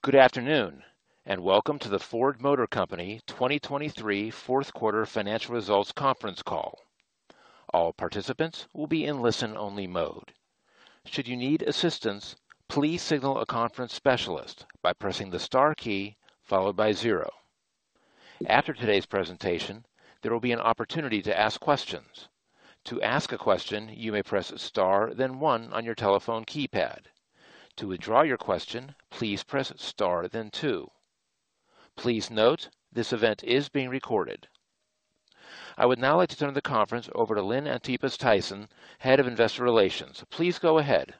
Good afternoon, and welcome to the Ford Motor Company 2023 Fourth Quarter Financial Results Conference Call. All participants will be in listen-only mode. Should you need assistance, please signal a conference specialist by pressing the star key followed by zero. After today's presentation, there will be an opportunity to ask questions. To ask a question, you may press star, then one on your telephone keypad. To withdraw your question, please press star, then two. Please note, this event is being recorded. I would now like to turn the conference over to Lynn Antipas Tyson, Head of Investor Relations. Please go ahead.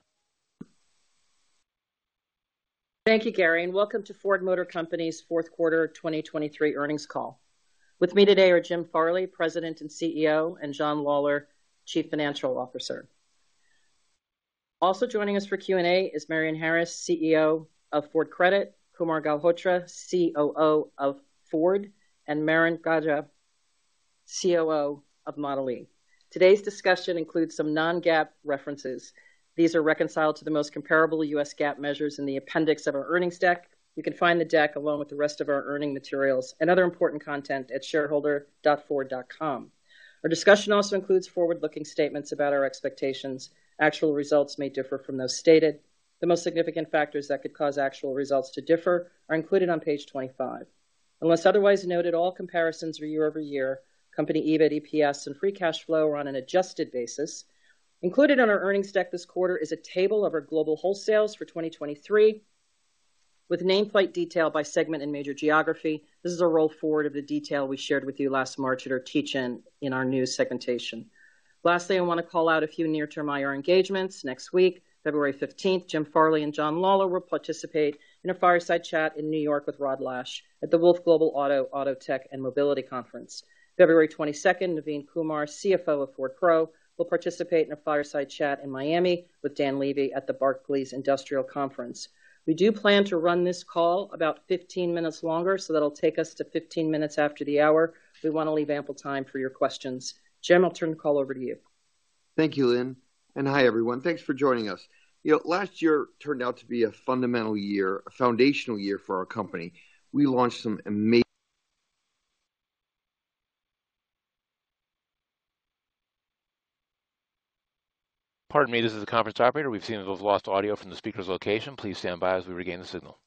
Thank you, Gary, and welcome to Ford Motor Company's Fourth Quarter 2023 Earnings Call. With me today are Jim Farley, President and CEO, and John Lawler, Chief Financial Officer. Also joining us for Q&A is Marion Harris, CEO of Ford Credit, Kumar Galhotra, COO of Ford, and Marin Gjaja, COO of Model e. Today's discussion includes some non-GAAP references. These are reconciled to the most comparable U.S. GAAP measures in the appendix of our earnings deck. You can find the deck along with the rest of our earnings materials and other important content at shareholder.ford.com. Our discussion also includes forward-looking statements about our expectations. Actual results may differ from those stated. The most significant factors that could cause actual results to differ are included on page 25. Unless otherwise noted, all comparisons are year-over-year. Company EBIT, EPS, and free cash flow are on an adjusted basis. Included on our earnings deck this quarter is a table of our global wholesales for 2023, with nameplate detail by segment and major geography. This is a roll forward of the detail we shared with you last March at our teach-in in our new segmentation. Lastly, I want to call out a few near-term IR engagements. Next week, February 15th, Jim Farley and John Lawler will participate in a fireside chat in New York with Rod Lache at the Wolfe Global Auto, Auto Tech, and Mobility Conference. February 22nd, Navin Kumar, CFO of Ford Pro, will participate in a fireside chat in Miami with Dan Levy at the Barclays Industrial Conference. We do plan to run this call about 15 minutes longer, so that'll take us to 15 minutes after the hour. We want to leave ample time for your questions. Jim, I'll turn the call over to you. Thank you, Lynn, and hi, everyone. Thanks for joining us. You know, last year turned out to be a fundamental year, a foundational year for our company. We launched some amazing. Pardon me, this is the conference operator. We've seen those lost audio from the speaker's location. Please stand by as we regain the signal.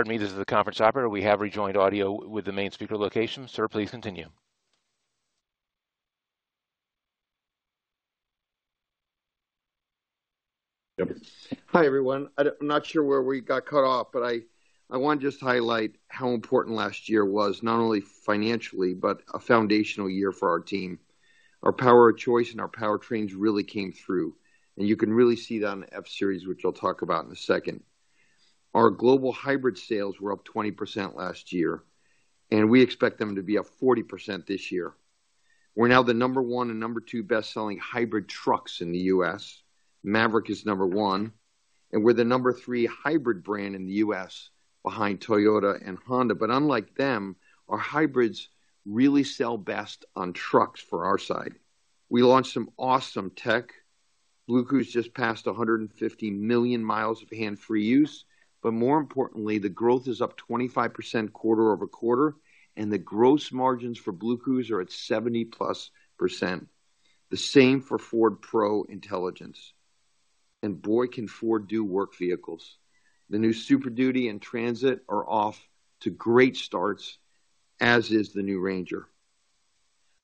Pardon me, this is the conference operator. We have rejoined audio with the main speaker location. Sir, please continue. Hi, everyone. I'm not sure where we got cut off, but I, I want to just highlight how important last year was, not only financially, but a foundational year for our team. Our power of choice and our powertrains really came through, and you can really see that on the F-Series, which I'll talk about in a second. Our global hybrid sales were up 20% last year, and we expect them to be up 40% this year. We're now the number one and number two best-selling hybrid trucks in the U.S. Maverick is number one, and we're the number three hybrid brand in the U.S. behind Toyota and Honda. But unlike them, our hybrids really sell best on trucks for our side. We launched some awesome tech. BlueCruise just passed 150 million miles of hands-free use, but more importantly, the growth is up 25% quarter-over-quarter, and the gross margins for BlueCruise are at 70%+. The same for Ford Pro Intelligence. Boy, can Ford do work vehicles. The new Super Duty and Transit are off to great starts, as is the new Ranger.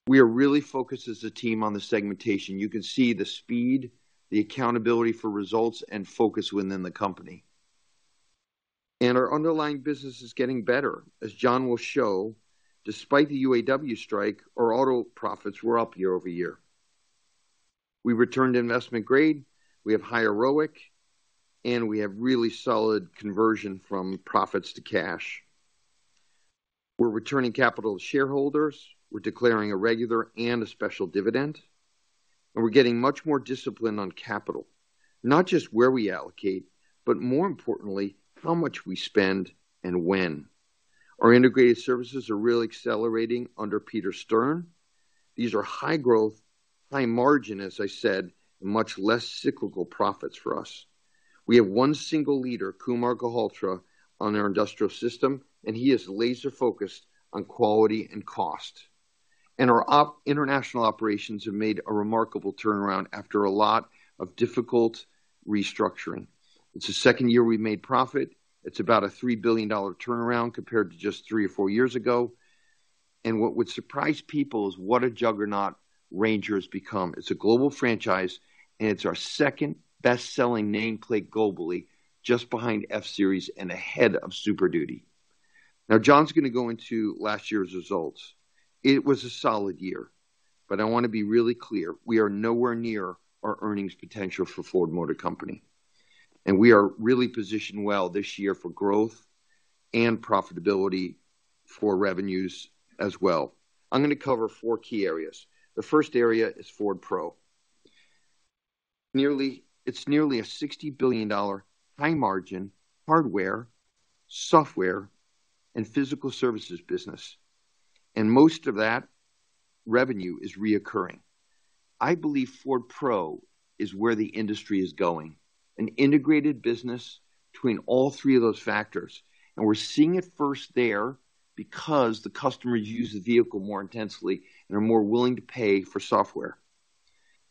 We are really focused as a team on the segmentation. You can see the speed, the accountability for results, and focus within the company. Our underlying business is getting better. As John will show, despite the UAW strike, our auto profits were up year-over-year. We returned to investment grade, we have high ROIC, and we have really solid conversion from profits to cash. We're returning capital to shareholders, we're declaring a regular and a special dividend, and we're getting much more disciplined on capital, not just where we allocate, but more importantly, how much we spend and when. Our integrated services are really accelerating under Peter Stern. These are high growth, high margin, as I said, and much less cyclical profits for us. We have one single leader, Kumar Galhotra, on our industrial system, and he is laser-focused on quality and cost. Our international operations have made a remarkable turnaround after a lot of difficult restructuring. It's the second year we've made profit. It's about a $3 billion turnaround compared to just three or four years ago, and what would surprise people is what a juggernaut Ranger has become. It's a global franchise, and it's our second best-selling nameplate globally, just behind F-Series and ahead of Super Duty. Now, John's going to go into last year's results. It was a solid year, but I want to be really clear, we are nowhere near our earnings potential for Ford Motor Company, and we are really positioned well this year for growth and profitability for revenues as well. I'm going to cover four key areas. The first area is Ford Pro. Nearly—it's nearly a $60 billion high margin, hardware, software, and physical services business, and most of that revenue is reocurring. I believe Ford Pro is where the industry is going, an integrated business between all three of those factors, and we're seeing it first there because the customers use the vehicle more intensely and are more willing to pay for software.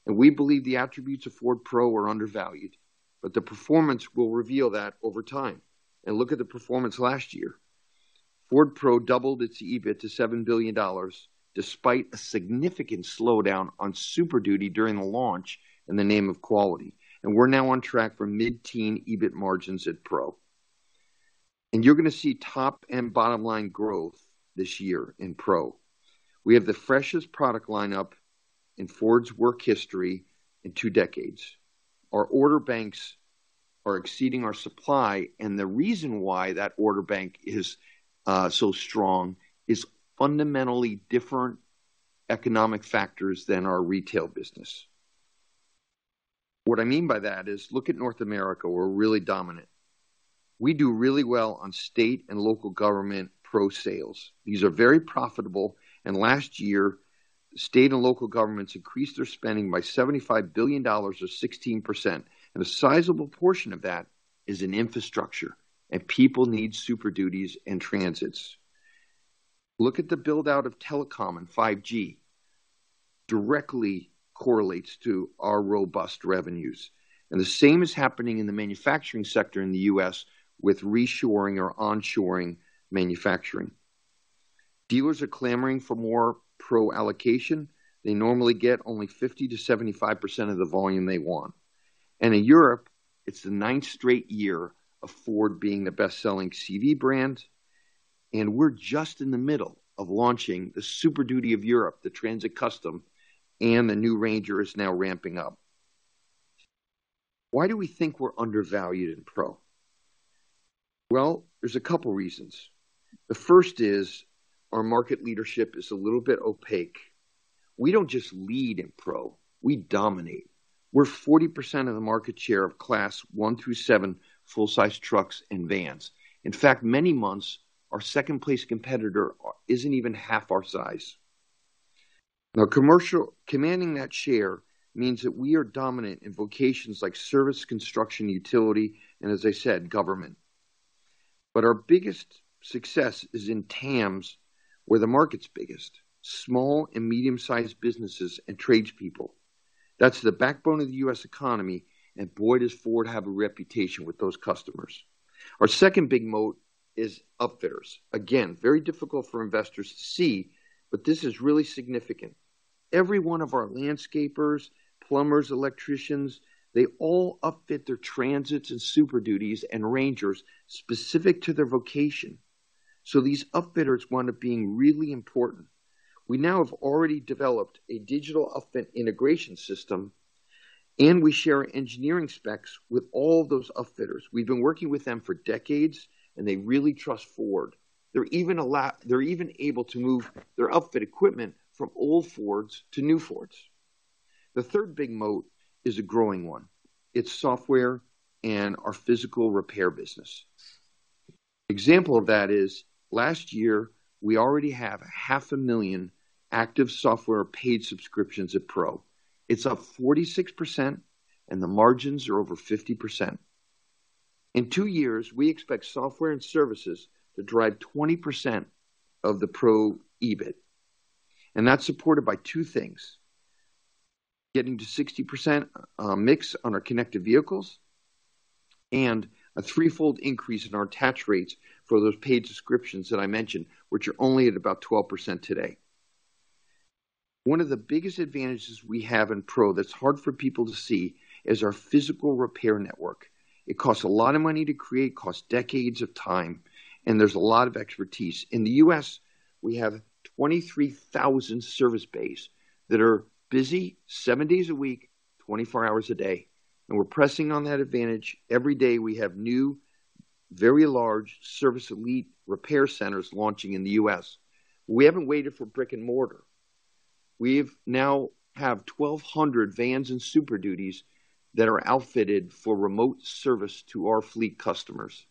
We believe the attributes of Ford Pro are undervalued, but the performance will reveal that over time. Look at the performance last year. Ford Pro doubled its EBIT to $7 billion, despite a significant slowdown on Super Duty during the launch in the name of quality. We're now on track for mid-teen EBIT margins at Pro. You're going to see top and bottom line growth this year in Pro. We have the freshest product lineup in Ford's work history in two decades. Our order banks are exceeding our supply, and the reason why that order bank is so strong is fundamentally different economic factors than our retail business. What I mean by that is, look at North America, we're really dominant. We do really well on state and local government Pro sales. These are very profitable, and last year, state and local governments increased their spending by $75 billion or 16%, and a sizable portion of that is in infrastructure, and people need Super Duties and Transits. Look at the build-out of telecom and 5G, directly correlates to our robust revenues, and the same is happening in the manufacturing sector in the U.S. with reshoring or onshoring manufacturing. Dealers are clamoring for more Pro allocation. They normally get only 50%-75% of the volume they want. In Europe, it's the ninth straight year of Ford being the best-selling CV brand, and we're just in the middle of launching the Super Duty of Europe, the Transit Custom, and the new Ranger is now ramping up. Why do we think we're undervalued in Pro? Well, there's a couple reasons. The first is our market leadership is a little bit opaque. We don't just lead in Pro, we dominate. We're 40% of the market share of Class 1 through seven full-sized trucks and vans. In fact, many months, our second-place competitor isn't even half our size. Now, commanding that share means that we are dominant in vocations like service, construction, utility, and as I said, government. But our biggest success is in TAMs, where the market's biggest, small and medium-sized businesses and tradespeople. That's the backbone of the U.S. economy, and boy, does Ford have a reputation with those customers. Our second big moat is upfitters. Again, very difficult for investors to see, but this is really significant. Every one of our landscapers, plumbers, electricians, they all upfit their Transits and Super Duties and Rangers specific to their vocation. So these upfitters wind up being really important. We now have already developed a digital upfit integration system, and we share engineering specs with all those upfitters. We've been working with them for decades, and they really trust Ford. They're even able to move their upfit equipment from old Fords to new Fords. The third big moat is a growing one. It's software and our physical repair business. Example of that is last year, we already have 500,000 active software paid subscriptions at Pro. It's up 46%, and the margins are over 50%. In two years, we expect software and services to drive 20% of the Pro EBIT, and that's supported by two things: getting to 60% mix on our connected vehicles and a threefold increase in our attach rates for those paid subscriptions that I mentioned, which are only at about 12% today. One of the biggest advantages we have in Pro that's hard for people to see is our physical repair network. It costs a lot of money to create, costs decades of time, and there's a lot of expertise. In the U.S., we have 23,000 service bays that are busy seven days a week, 24 hours a day, and we're pressing on that advantage. Every day, we have new, very large Service Elite repair centers launching in the U.S. We haven't waited for brick-and-mortar. We've now have 1,200 vans and Super Duties that are outfitted for remote service to our fleet customers.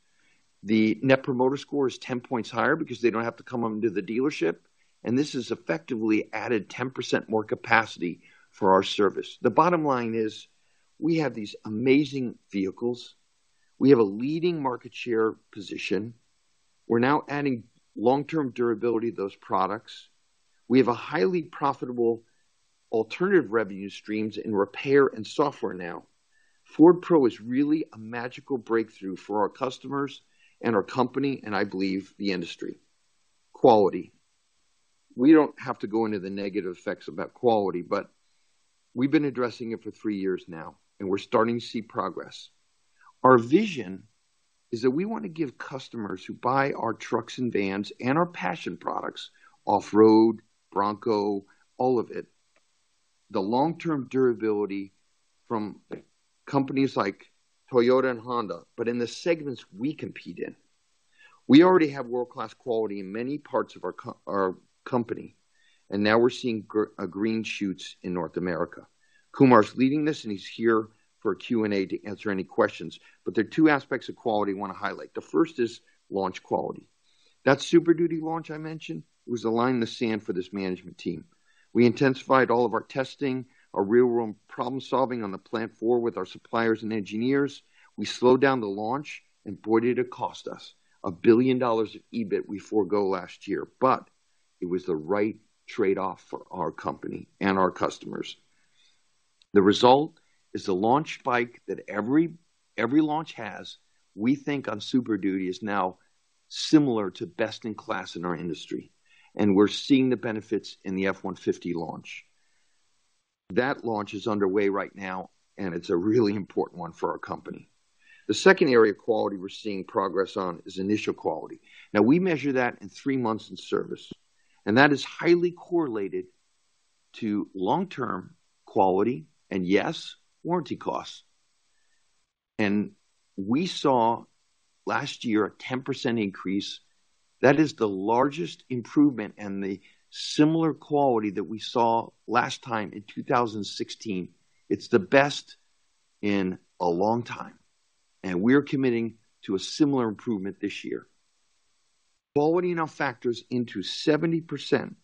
The Net Promoter Score is 10 points higher because they don't have to come into the dealership, and this has effectively added 10% more capacity for our service. The bottom line is, we have these amazing vehicles. We have a leading market share position. We're now adding long-term durability to those products. We have a highly profitable alternative revenue streams in repair and software now. Ford Pro is really a magical breakthrough for our customers and our company, and I believe the industry. Quality. We don't have to go into the negative effects about quality, but we've been addressing it for three years now, and we're starting to see progress. Our vision is that we want to give customers who buy our trucks and vans and our passion products, off-road, Bronco, all of it, the long-term durability from companies like Toyota and Honda, but in the segments we compete in. We already have world-class quality in many parts of our company, and now we're seeing green shoots in North America. Kumar is leading this, and he's here for Q&A to answer any questions. But there are two aspects of quality I want to highlight. The first is launch quality. That Super Duty launch I mentioned was a line in the sand for this management team. We intensified all of our testing, our real-world problem-solving on the plant floor with our suppliers and engineers. We slowed down the launch, and boy, did it cost us $1 billion of EBIT we forego last year. But it was the right trade-off for our company and our customers. The result is the launch spike that every, every launch has, we think on Super Duty, is now similar to best-in-class in our industry, and we're seeing the benefits in the F-150 launch. That launch is underway right now, and it's a really important one for our company. The second area of quality we're seeing progress on is initial quality. Now, we measure that in three months in service, and that is highly correlated to long-term quality and, yes, warranty costs. We saw last year a 10% increase. That is the largest improvement and the similar quality that we saw last time in 2016. It's the best in a long time, and we're committing to a similar improvement this year. Quality now factors into 70%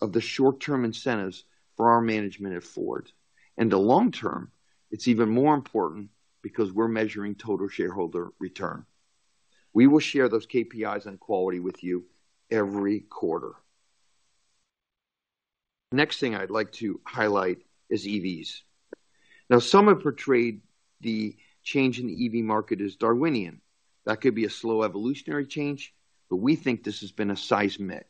of the short-term incentives for our management at Ford. In the long term, it's even more important because we're measuring total shareholder return. We will share those KPIs on quality with you every quarter. Next thing I'd like to highlight is EVs. Now, some have portrayed the change in the EV market as Darwinian. That could be a slow evolutionary change, but we think this has been a seismic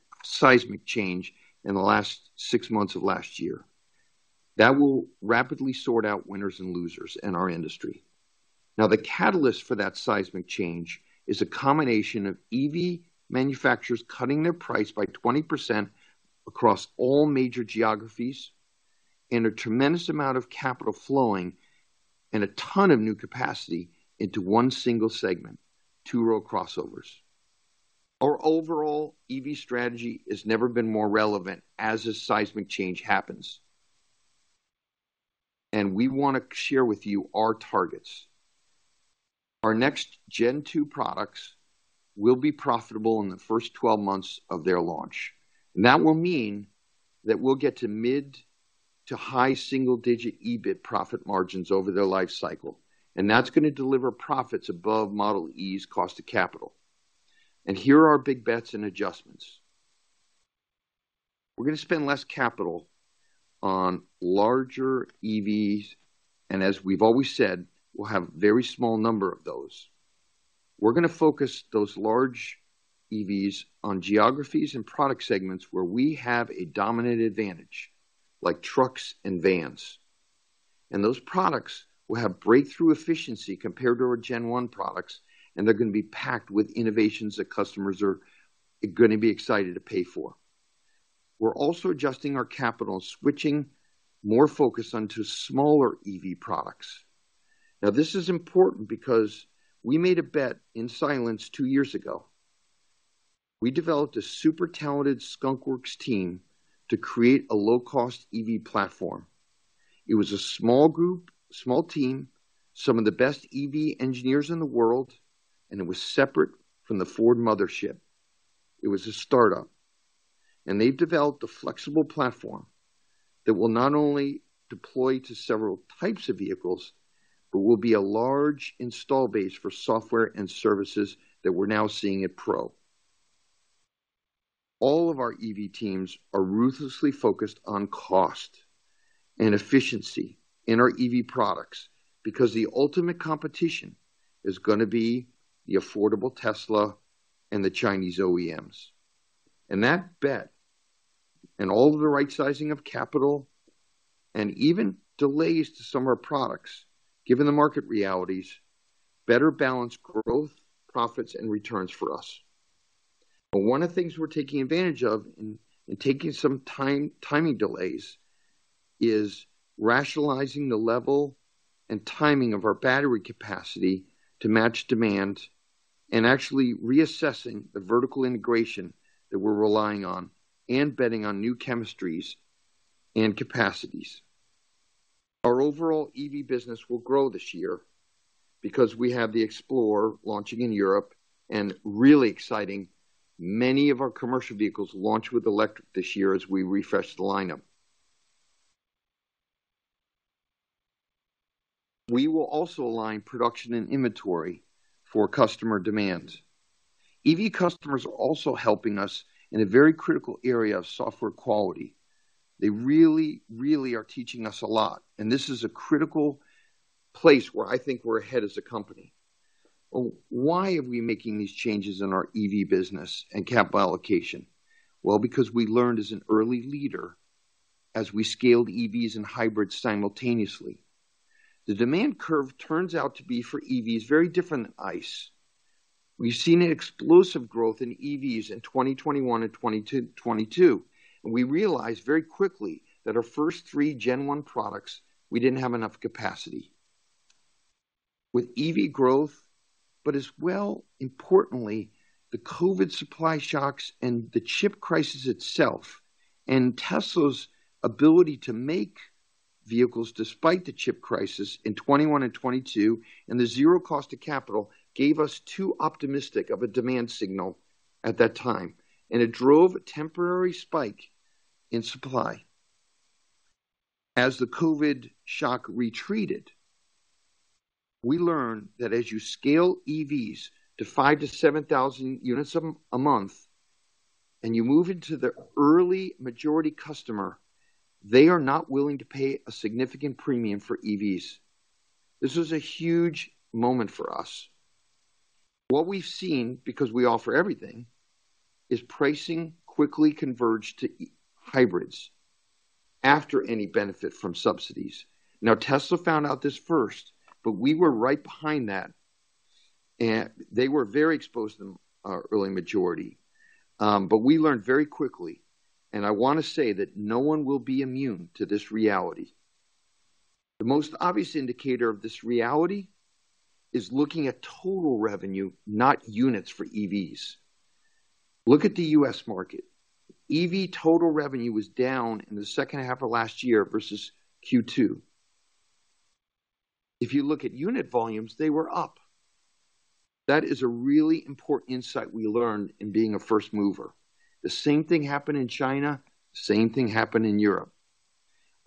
change in the last six months of last year. That will rapidly sort out winners and losers in our industry. Now, the catalyst for that seismic change is a combination of EV manufacturers cutting their price by 20% across all major geographies, and a tremendous amount of capital flowing and a ton of new capacity into one single segment, two-row crossovers. Our overall EV strategy has never been more relevant as this seismic change happens, and we want to share with you our targets. Our next Gen 2 products will be profitable in the first 12 months of their launch, and that will mean that we'll get to mid to high single-digit EBIT profit margins over their life cycle, and that's going to deliver profits above Model e's cost of capital. And here are our big bets and adjustments. We're going to spend less capital on larger EVs, and as we've always said, we'll have a very small number of those. We're going to focus those large EVs on geographies and product segments where we have a dominant advantage, like trucks and vans, and those products will have breakthrough efficiency compared to our Gen 1 products, and they're going to be packed with innovations that customers are going to be excited to pay for. We're also adjusting our capital, switching more focus onto smaller EV products. Now, this is important because we made a bet in silence two years ago. We developed a super talented skunkworks team to create a low-cost EV platform. It was a small group, small team, some of the best EV engineers in the world, and it was separate from the Ford mothership. It was a startup, and they've developed a flexible platform that will not only deploy to several types of vehicles, but will be a large install base for software and services that we're now seeing at Pro. All of our EV teams are ruthlessly focused on cost and efficiency in our EV products because the ultimate competition is going to be the affordable Tesla and the Chinese OEMs. That bet, and all of the rightsizing of capital and even delays to some of our products, given the market realities, better balance growth, profits, and returns for us. But one of the things we're taking advantage of and taking some timing delays is rationalizing the level and timing of our battery capacity to match demand, and actually reassessing the vertical integration that we're relying on and betting on new chemistries and capacities. Our overall EV business will grow this year because we have the Explorer launching in Europe, and really exciting, many of our commercial vehicles launch with electric this year as we refresh the lineup. We will also align production and inventory for customer demands. EV customers are also helping us in a very critical area of software quality. They really, really are teaching us a lot, and this is a critical place where I think we're ahead as a company. Why are we making these changes in our EV business and capital allocation? Well, because we learned as an early leader, as we scaled EVs and hybrids simultaneously, the demand curve turns out to be, for EVs, very different than ICE. We've seen an explosive growth in EVs in 2021 and 2022, and we realized very quickly that our first three Gen 1 products, we didn't have enough capacity. With EV growth, but as well, importantly, the COVID supply shocks and the chip crisis itself, and Tesla's ability to make vehicles despite the chip crisis in 2021 and 2022, and the zero cost of capital, gave us too optimistic of a demand signal at that time, and it drove a temporary spike in supply. As the COVID shock retreated, we learned that as you scale EVs to 5,000-7,000 units a month, and you move into the early majority customer, they are not willing to pay a significant premium for EVs. This is a huge moment for us. What we've seen, because we offer everything, is pricing quickly converged to hybrids after any benefit from subsidies. Now, Tesla found out this first, but we were right behind that, and they were very exposed in our early majority. But we learned very quickly, and I want to say that no one will be immune to this reality. The most obvious indicator of this reality is looking at total revenue, not units, for EVs. Look at the U.S. market. EV total revenue was down in the second half of last year versus Q2. If you look at unit volumes, they were up. That is a really important insight we learned in being a first mover. The same thing happened in China, same thing happened in Europe.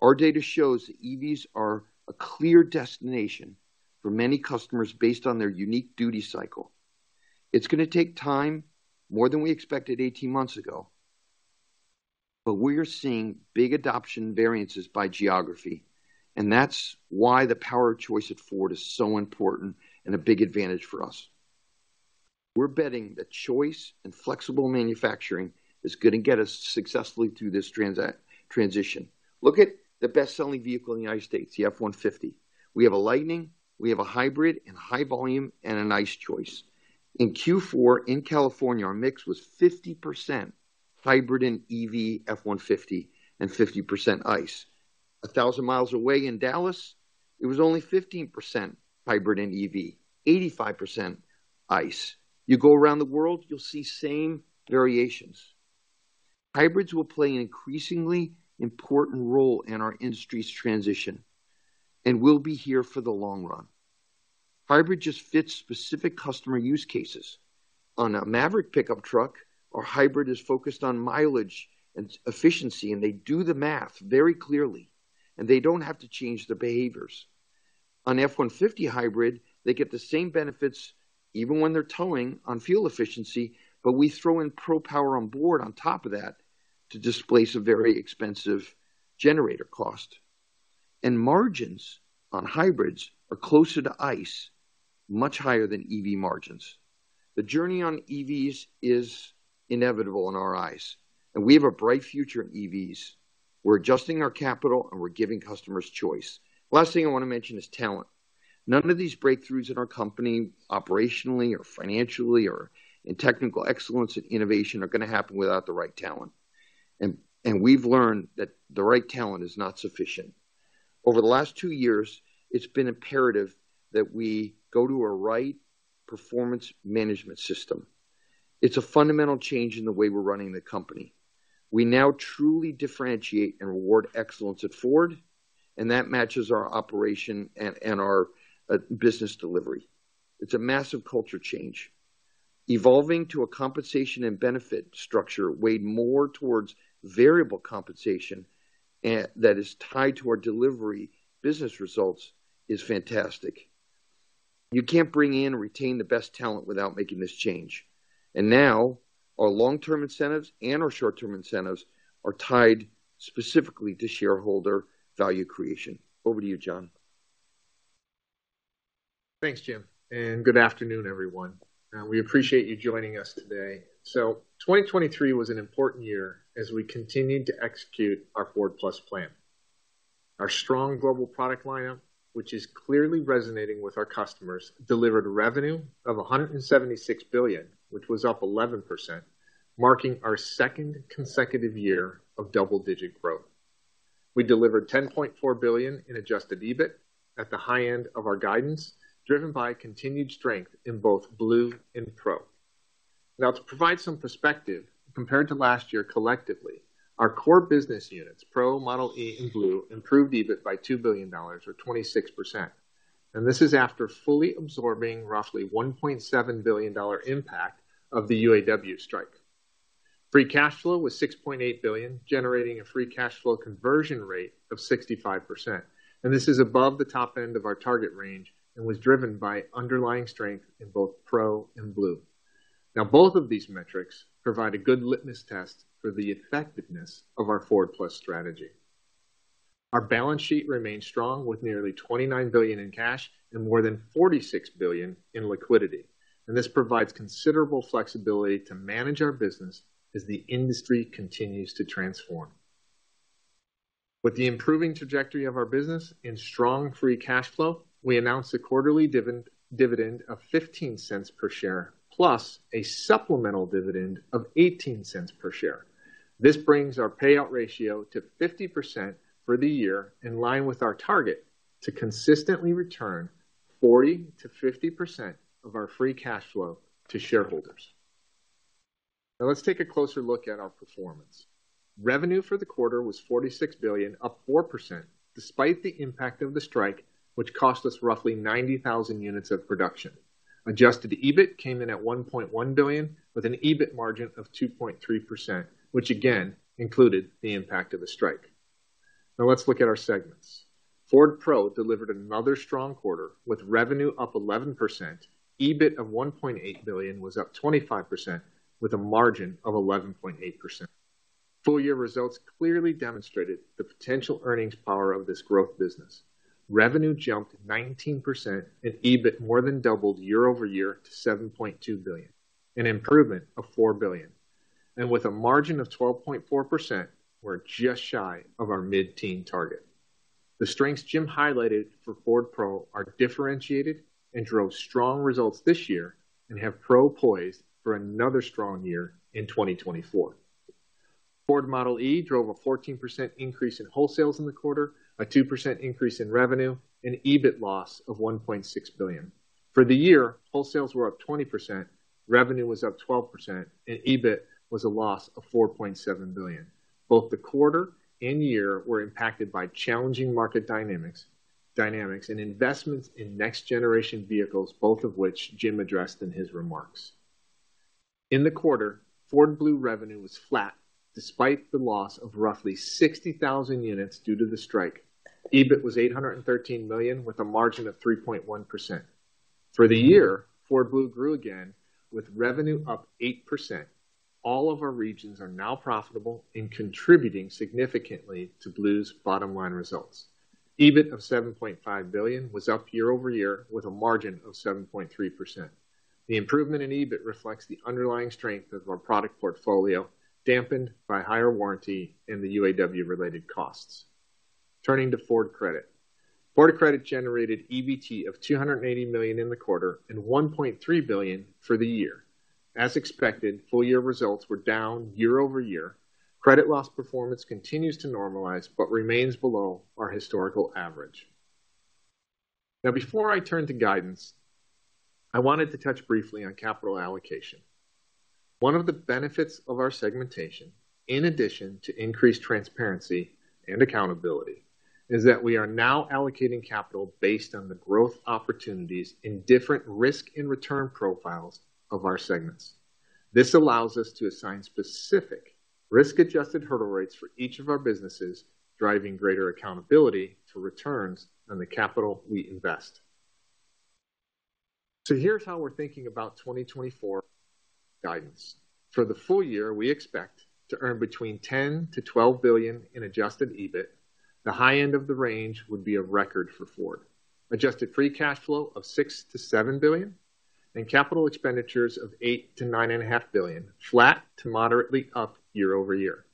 Our data shows that EVs are a clear destination for many customers based on their unique duty cycle. It's gonna take time, more than we expected 18 months ago, but we are seeing big adoption variances by geography, and that's why the power of choice at Ford is so important and a big advantage for us. We're betting that choice and flexible manufacturing is gonna get us successfully through this transition. Look at the best-selling vehicle in the United States, the F-150. We have a Lightning, we have a hybrid and high volume, and a nice choice. In Q4, in California, our mix was 50% hybrid and EV F-150 and 50% ICE. 1,000 miles away in Dallas, it was only 15% hybrid and EV, 85% ICE. You go around the world, you'll see same variations. Hybrids will play an increasingly important role in our industry's transition, and will be here for the long run. Hybrid just fits specific customer use cases. On a Maverick pickup truck, our hybrid is focused on mileage and efficiency, and they do the math very clearly, and they don't have to change their behaviors. On F-150 hybrid, they get the same benefits, even when they're towing, on fuel efficiency, but we throw in Pro Power Onboard on top of that to displace a very expensive generator cost. Margins on hybrids are closer to ICE, much higher than EV margins. The journey on EVs is inevitable in our eyes, and we have a bright future in EVs. We're adjusting our capital, and we're giving customers choice. Last thing I want to mention is talent. None of these breakthroughs in our company, operationally or financially or in technical excellence and innovation, are gonna happen without the right talent. And we've learned that the right talent is not sufficient. Over the last two years, it's been imperative that we go to a right performance management system. It's a fundamental change in the way we're running the company. We now truly differentiate and reward excellence at Ford, and that matches our operation and our business delivery. It's a massive culture change. Evolving to a compensation and benefit structure weighed more towards variable compensation, and that is tied to our delivery business results, is fantastic. You can't bring in and retain the best talent without making this change. Now, our long-term incentives and our short-term incentives are tied specifically to shareholder value creation. Over to you, John. Thanks, Jim, and good afternoon, everyone. We appreciate you joining us today. So 2023 was an important year as we continued to execute our Ford+ plan. Our strong global product lineup, which is clearly resonating with our customers, delivered a revenue of $176 billion, which was up 11%, marking our second consecutive year of double-digit growth. We delivered $10.4 billion in adjusted EBIT at the high end of our guidance, driven by continued strength in both Blue and Pro. Now, to provide some perspective, compared to last year, collectively, our core business units, Pro, Model e, and Blue, improved EBIT by $2 billion or 26%, and this is after fully absorbing roughly $1.7 billion-dollar impact of the UAW strike. Free cash flow was $6.8 billion, generating a free cash flow conversion rate of 65%, and this is above the top end of our target range and was driven by underlying strength in both Pro and Blue. Now, both of these metrics provide a good litmus test for the effectiveness of our Ford+ strategy. Our balance sheet remains strong, with nearly $29 billion in cash and more than $46 billion in liquidity, and this provides considerable flexibility to manage our business as the industry continues to transform. With the improving trajectory of our business and strong free cash flow, we announced a quarterly dividend of $0.15 per share, plus a supplemental dividend of $0.18 per share. This brings our payout ratio to 50% for the year, in line with our target to consistently return 40%-50% of our free cash flow to shareholders. Now, let's take a closer look at our performance. Revenue for the quarter was $46 billion, up 4%, despite the impact of the strike, which cost us roughly 90,000 units of production. Adjusted EBIT came in at $1.1 billion, with an EBIT margin of 2.3%, which again included the impact of the strike. Now let's look at our segments. Ford Pro delivered another strong quarter, with revenue up 11%. EBIT of $1.8 billion was up 25%, with a margin of 11.8%. Full year results clearly demonstrated the potential earnings power of this growth business. Revenue jumped 19%, and EBIT more than doubled year-over-year to $7.2 billion, an improvement of $4 billion. With a margin of 12.4%, we're just shy of our mid-teen target. The strengths Jim highlighted for Ford Pro are differentiated and drove strong results this year, and have Pro poised for another strong year in 2024. Ford Model e drove a 14% increase in wholesales in the quarter, a 2% increase in revenue, and an EBIT loss of $1.6 billion. For the year, wholesales were up 20%, revenue was up 12%, and EBIT was a loss of $4.7 billion. Both the quarter and year were impacted by challenging market dynamics and investments in next generation vehicles, both of which Jim addressed in his remarks. In the quarter, Ford Blue revenue was flat, despite the loss of roughly 60,000 units due to the strike. EBIT was $813 million, with a margin of 3.1%. For the year, Ford Blue grew again, with revenue up 8%. All of our regions are now profitable and contributing significantly to Blue's bottom line results. EBIT of $7.5 billion was up year-over-year, with a margin of 7.3%. The improvement in EBIT reflects the underlying strength of our product portfolio, dampened by higher warranty and the UAW-related costs. Turning to Ford Credit. Ford Credit generated EBT of $280 million in the quarter and $1.3 billion for the year. As expected, full year results were down year-over-year. Credit loss performance continues to normalize, but remains below our historical average. Now, before I turn to guidance, I wanted to touch briefly on capital allocation. One of the benefits of our segmentation, in addition to increased transparency and accountability, is that we are now allocating capital based on the growth opportunities in different risk and return profiles of our segments. This allows us to assign specific risk-adjusted hurdle rates for each of our businesses, driving greater accountability to returns on the capital we invest. So here's how we're thinking about 2024 guidance. For the full year, we expect to earn between $10 billion-$12 billion in adjusted EBIT. The high end of the range would be a record for Ford. Adjusted free cash flow of $6 billion-$7 billion, and capital expenditures of $8 billion-$9.5 billion, flat to moderately up year-over-year.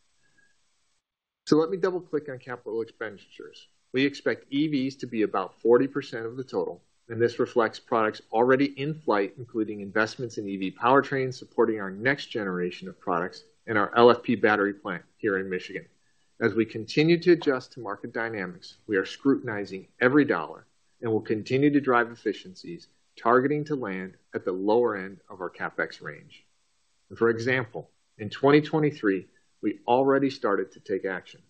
So let me double-click on capital expenditures. We expect EVs to be about 40% of the total, and this reflects products already in flight, including investments in EV powertrains, supporting our next generation of products and our LFP battery plant here in Michigan. As we continue to adjust to market dynamics, we are scrutinizing every dollar and will continue to drive efficiencies, targeting to land at the lower end of our CapEx range. For example, in 2023, we already started to take action.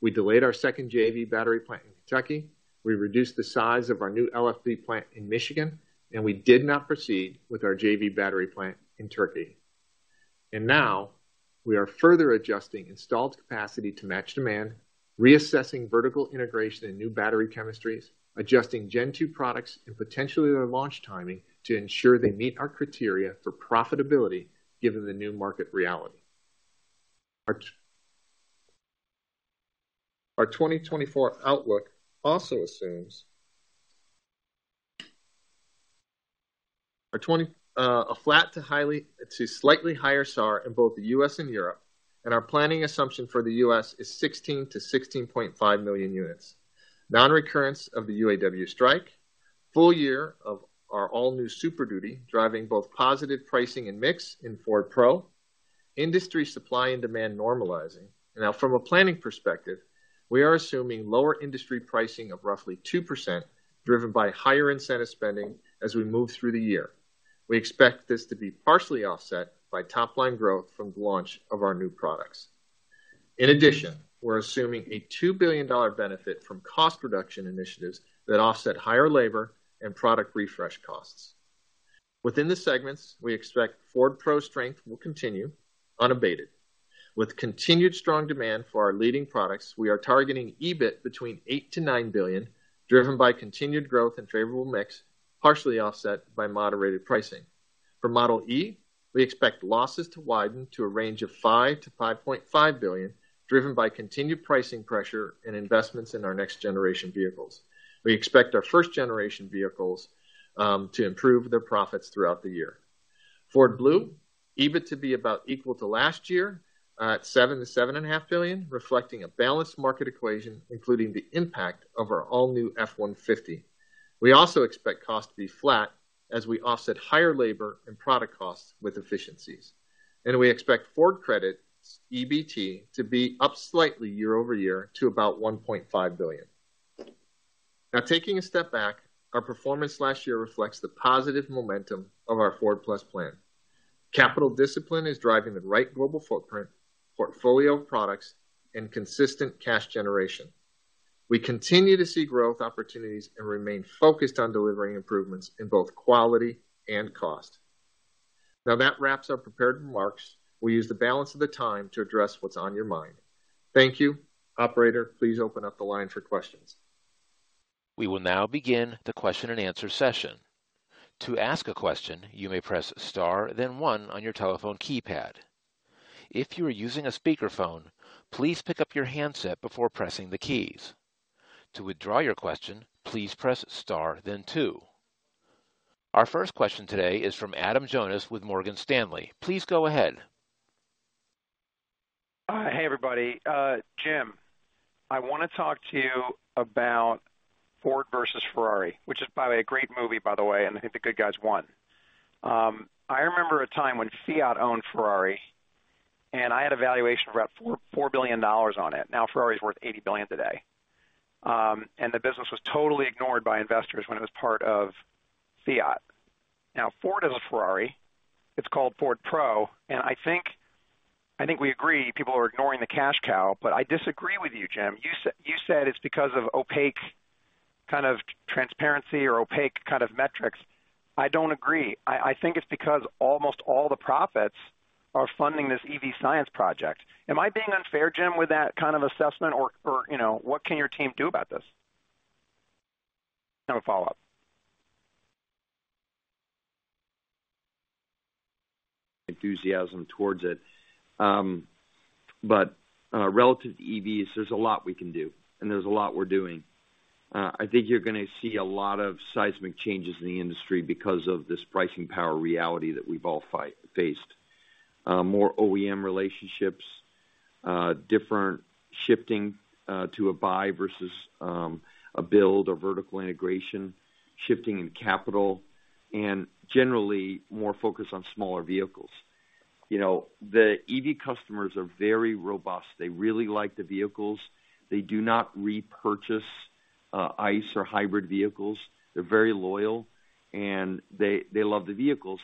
We delayed our second JV battery plant in Kentucky, we reduced the size of our new LFP plant in Michigan, and we did not proceed with our JV battery plant in Turkey. Now we are further adjusting installed capacity to match demand, reassessing vertical integration and new battery chemistries, adjusting Gen 2 products and potentially their launch timing to ensure they meet our criteria for profitability, given the new market reality. Our 2024 outlook also assumes a flat to slightly higher SAAR in both the U.S. and Europe, and our planning assumption for the U.S. is 16-16.5 million units. Non-recurrence of the UAW strike, full year of our all-new Super Duty, driving both positive pricing and mix in Ford Pro. Industry supply and demand normalizing. Now, from a planning perspective, we are assuming lower industry pricing of roughly 2%, driven by higher incentive spending as we move through the year. We expect this to be partially offset by top-line growth from the launch of our new products. In addition, we're assuming a $2 billion benefit from cost reduction initiatives that offset higher labor and product refresh costs. Within the segments, we expect Ford Pro strength will continue unabated. With continued strong demand for our leading products, we are targeting EBIT between $8 billion-$9 billion, driven by continued growth and favorable mix, partially offset by moderated pricing. For Model e, we expect losses to widen to a range of $5 billion-$5.5 billion, driven by continued pricing pressure and investments in our next-generation vehicles. We expect our first-generation vehicles to improve their profits throughout the year. Ford Blue, EBIT to be about equal to last year, at $7 billion-$7.5 billion, reflecting a balanced market equation, including the impact of our all-new F-150. We also expect cost to be flat as we offset higher labor and product costs with efficiencies. We expect Ford Credit's EBT to be up slightly year-over-year to about $1.5 billion. Now, taking a step back, our performance last year reflects the positive momentum of our Ford+ plan. Capital discipline is driving the right global footprint, portfolio of products, and consistent cash generation. We continue to see growth opportunities and remain focused on delivering improvements in both quality and cost. Now, that wraps our prepared remarks. We'll use the balance of the time to address what's on your mind. Thank you. Operator, please open up the line for questions. We will now begin the question-and-answer session. To ask a question, you may press star, then one on your telephone keypad. If you are using a speakerphone, please pick up your handset before pressing the keys. To withdraw your question, please press star then two. Our first question today is from Adam Jonas with Morgan Stanley. Please go ahead. Hi, everybody. Jim, I want to talk to you about Ford versus Ferrari, which is, by the way, a great movie, by the way, and I think the good guys won. I remember a time when Fiat owned Ferrari, and I had a valuation of about $4 billion on it. Now, Ferrari is worth $80 billion today. And the business was totally ignored by investors when it was part of Fiat. Now, Ford has a Ferrari. It's called Ford Pro, and I think we agree, people are ignoring the cash cow, but I disagree with you, Jim. You said it's because of opaque kind of transparency or opaque kind of metrics. I don't agree. I think it's because almost all the profits are funding this EV science project. Am I being unfair, Jim, with that kind of assessment, or, you know, what can your team do about this? I have a follow-up. Enthusiasm towards it. But, relative to EVs, there's a lot we can do, and there's a lot we're doing. I think you're gonna see a lot of seismic changes in the industry because of this pricing power reality that we've all faced. More OEM relationships, different shifting, to a buy versus, a build or vertical integration, shifting in capital, and generally, more focus on smaller vehicles. You know, the EV customers are very robust. They really like the vehicles. They do not repurchase, ICE or hybrid vehicles. They're very loyal, and they love the vehicles,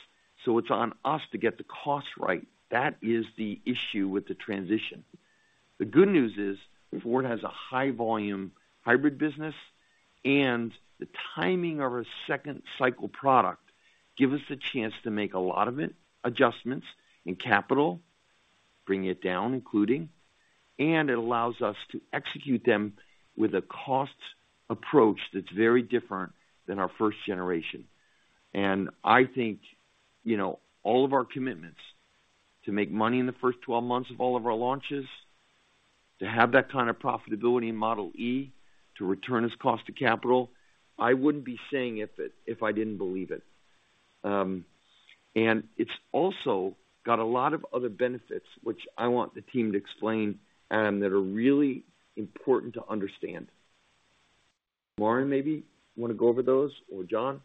so it's on us to get the cost right. That is the issue with the transition. The good news is, Ford has a high-volume hybrid business, and the timing of our second cycle product give us a chance to make a lot of it, adjustments in capital, bringing it down, including, and it allows us to execute them with a cost approach that's very different than our first generation. And I think, you know, all of our commitments to make money in the first 12 months of all of our launches, to have that kind of profitability in Model e, to return its cost to capital, I wouldn't be saying it if I didn't believe it. And it's also got a lot of other benefits, which I want the team to explain, Adam, that are really important to understand. Marin, maybe you want to go over those, or John?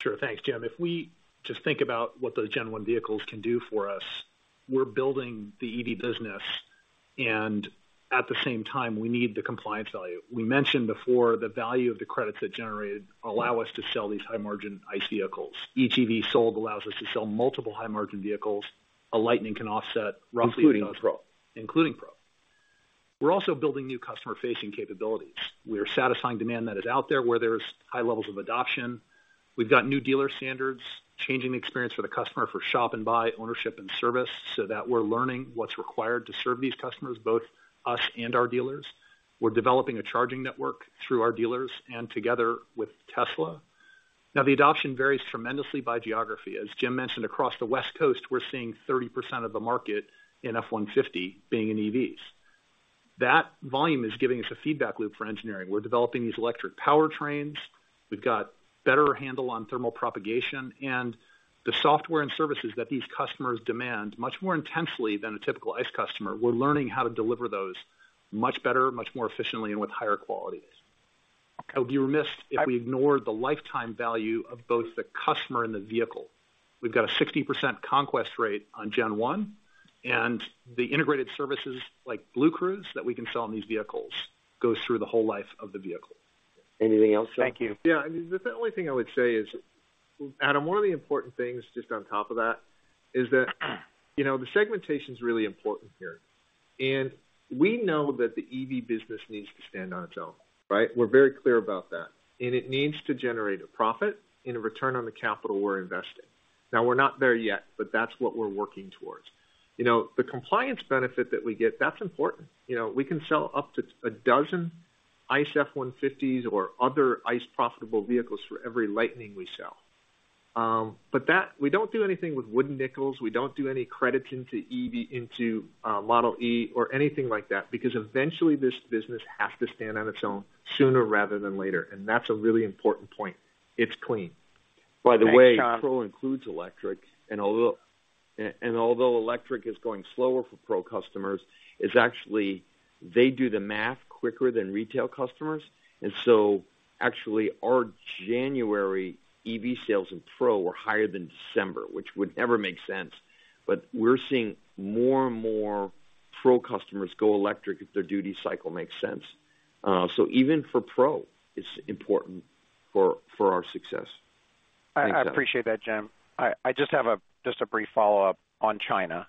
Sure. Thanks, Jim. If we just think about what those Gen 1 vehicles can do for us, we're building the EV business, and at the same time, we need the compliance value. We mentioned before the value of the credits that generate allow us to sell these high-margin ICE vehicles. Each EV sold allows us to sell multiple high-margin vehicles. A Lightning can offset roughly- Including Pro. Including Pro. We're also building new customer-facing capabilities. We are satisfying demand that is out there where there's high levels of adoption. We've got new dealer standards, changing the experience for the customer for shop and buy, ownership, and service, so that we're learning what's required to serve these customers, both us and our dealers. We're developing a charging network through our dealers and together with Tesla. Now, the adoption varies tremendously by geography. As Jim mentioned, across the West Coast, we're seeing 30% of the market in F-150 being in EVs. That volume is giving us a feedback loop for engineering. We're developing these electric powertrains. We've got better handle on thermal propagation and the software and services that these customers demand much more intensely than a typical ICE customer. We're learning how to deliver those much better, much more efficiently, and with higher quality. I would be remiss if we ignored the lifetime value of both the customer and the vehicle. We've got a 60% conquest rate on Gen 1, and the integrated services like BlueCruise that we can sell on these vehicles goes through the whole life of the vehicle. Anything else? Thank you. Yeah, I mean, the only thing I would say is, Adam, one of the important things, just on top of that, is that, you know, the segmentation is really important here. And we know that the EV business needs to stand on its own, right? We're very clear about that. And it needs to generate a profit and a return on the capital we're investing. Now, we're not there yet, but that's what we're working towards. You know, the compliance benefit that we get, that's important. You know, we can sell up to a dozen ICE F-150s or other ICE profitable vehicles for every Lightning we sell. We don't do anything with wooden nickels. We don't do any credits into EV, into Model e, or anything like that, because eventually this business has to stand on its own sooner rather than later, and that's a really important point. It's clean. By the way, Pro includes electric, and although electric is going slower for Pro customers, it's actually they do the math quicker than retail customers. And so actually, our January EV sales in Pro were higher than December, which would never make sense. But we're seeing more and more Pro customers go electric if their duty cycle makes sense. So even for Pro, it's important for our success. I appreciate that, Jim. I just have a brief follow-up on China.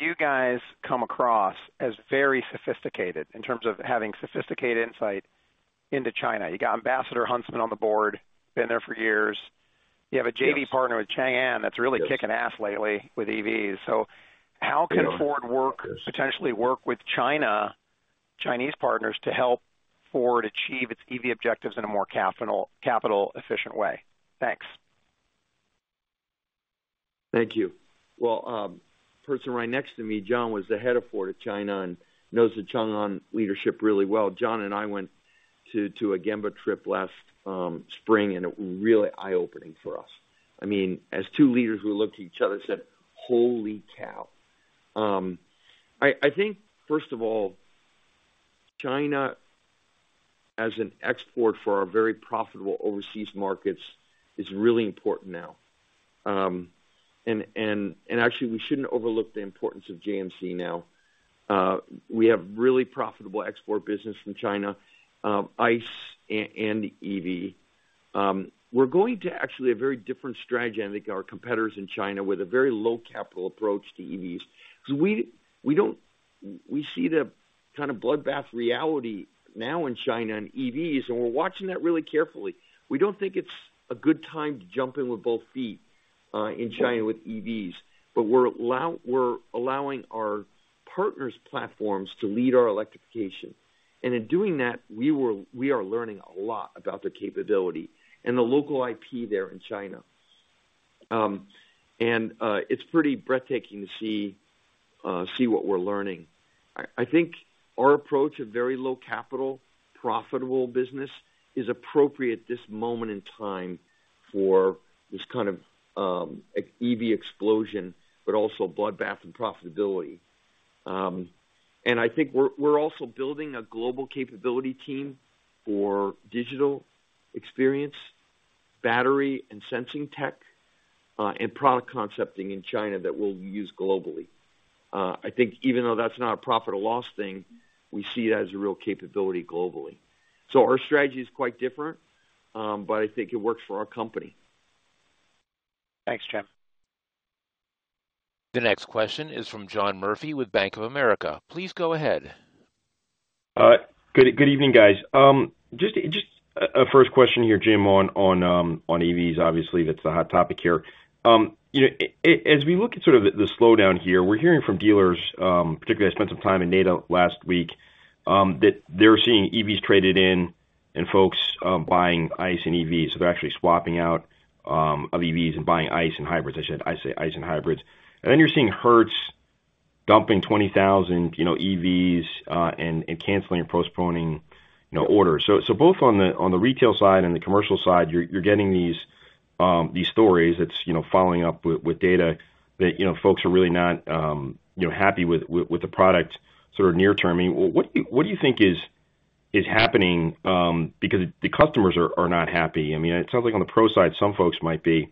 You guys come across as very sophisticated in terms of having sophisticated insight into China. You got Ambassador Huntsman on the board, been there for years. You have a JV partner with Changan. Yes. That's really kicking ass lately with EVs. How can Ford work, potentially, with Chinese partners to help Ford achieve its EV objectives in a more capital-efficient way? Thanks. Thank you. Well, person right next to me, John, was the head of Ford at China and knows the Changan leadership really well. John and I went to a Gemba trip last spring, and it was really eye-opening for us. I mean, as two leaders, we looked at each other and said: "Holy cow!" I think, first of all, China, as an export for our very profitable overseas markets, is really important now. And actually we shouldn't overlook the importance of JMC now. We have really profitable export business from China, ICE and EV. We're going to actually a very different strategy, I think, our competitors in China with a very low capital approach to EVs, because we don't. We see the kind of bloodbath reality now in China and EVs, and we're watching that really carefully. We don't think it's a good time to jump in with both feet in China with EVs, but we're allowing our partners' platforms to lead our electrification. And in doing that, we are learning a lot about the capability and the local IP there in China. It's pretty breathtaking to see what we're learning. I think our approach of very low capital, profitable business is appropriate at this moment in time for this kind of EV explosion, but also a bloodbath and profitability. And I think we're also building a global capability team for digital experience, battery and sensing tech, and product concepting in China that we'll use globally. I think even though that's not a profit or loss thing, we see it as a real capability globally. So our strategy is quite different, but I think it works for our company. Thanks, Jim. The next question is from John Murphy with Bank of America. Please go ahead. Good evening, guys. Just a first question here, Jim, on EVs. Obviously, that's the hot topic here. You know, as we look at sort of the slowdown here, we're hearing from dealers, particularly, I spent some time in NADA last week, that they're seeing EVs traded in and folks buying ICE and EVs. So they're actually swapping out of EVs and buying ICE and hybrids. And then you're seeing Hertz dumping 20,000, you know, EVs, and canceling and postponing, you know, orders. So both on the retail side and the commercial side, you're getting these stories that's, you know, following up with data that, you know, folks are really not happy with the product sort of near term. I mean, what do you think is happening? Because the customers are not happy. I mean, it sounds like on the Pro side, some folks might be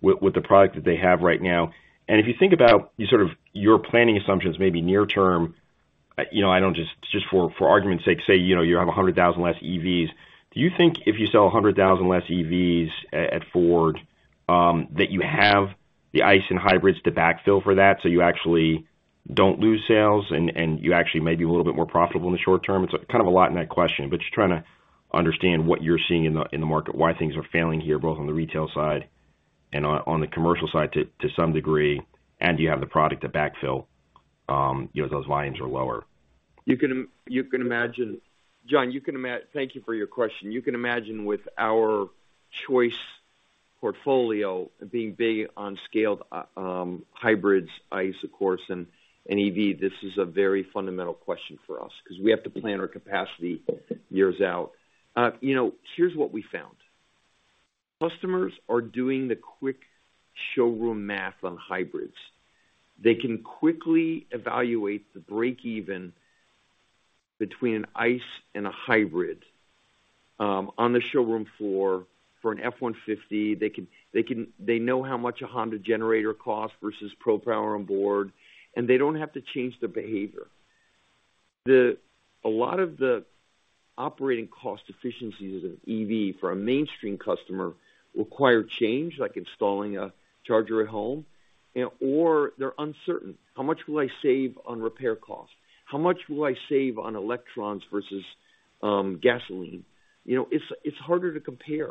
with the product that they have right now. And if you think about sort of your planning assumptions, maybe near term, you know, I don't. Just for argument's sake, say, you know, you have 100,000 less EVs. Do you think if you sell 100,000 less EVs at Ford, that you have the ICE and hybrids to backfill for that, so you actually don't lose sales and, and you actually may be a little bit more profitable in the short term? It's kind of a lot in that question, but just trying to understand what you're seeing in the, in the market, why things are failing here, both on the retail side and on, on the commercial side to, to some degree, and do you have the product to backfill, you know, if those volumes are lower? You can imagine, John. Thank you for your question. You can imagine with our choice portfolio being big on scaled hybrids, ICE, of course, and EV. This is a very fundamental question for us because we have to plan our capacity years out. You know, here's what we found. Customers are doing the quick showroom math on hybrids. They can quickly evaluate the break even between an ICE and a hybrid on the showroom floor for an F-150. They know how much a Honda generator costs versus Pro Power Onboard, and they don't have to change their behavior. A lot of the operating cost efficiencies of EV for a mainstream customer require change, like installing a charger at home, and or they're uncertain. How much will I save on repair costs? How much will I save on electrons versus gasoline? You know, it's harder to compare.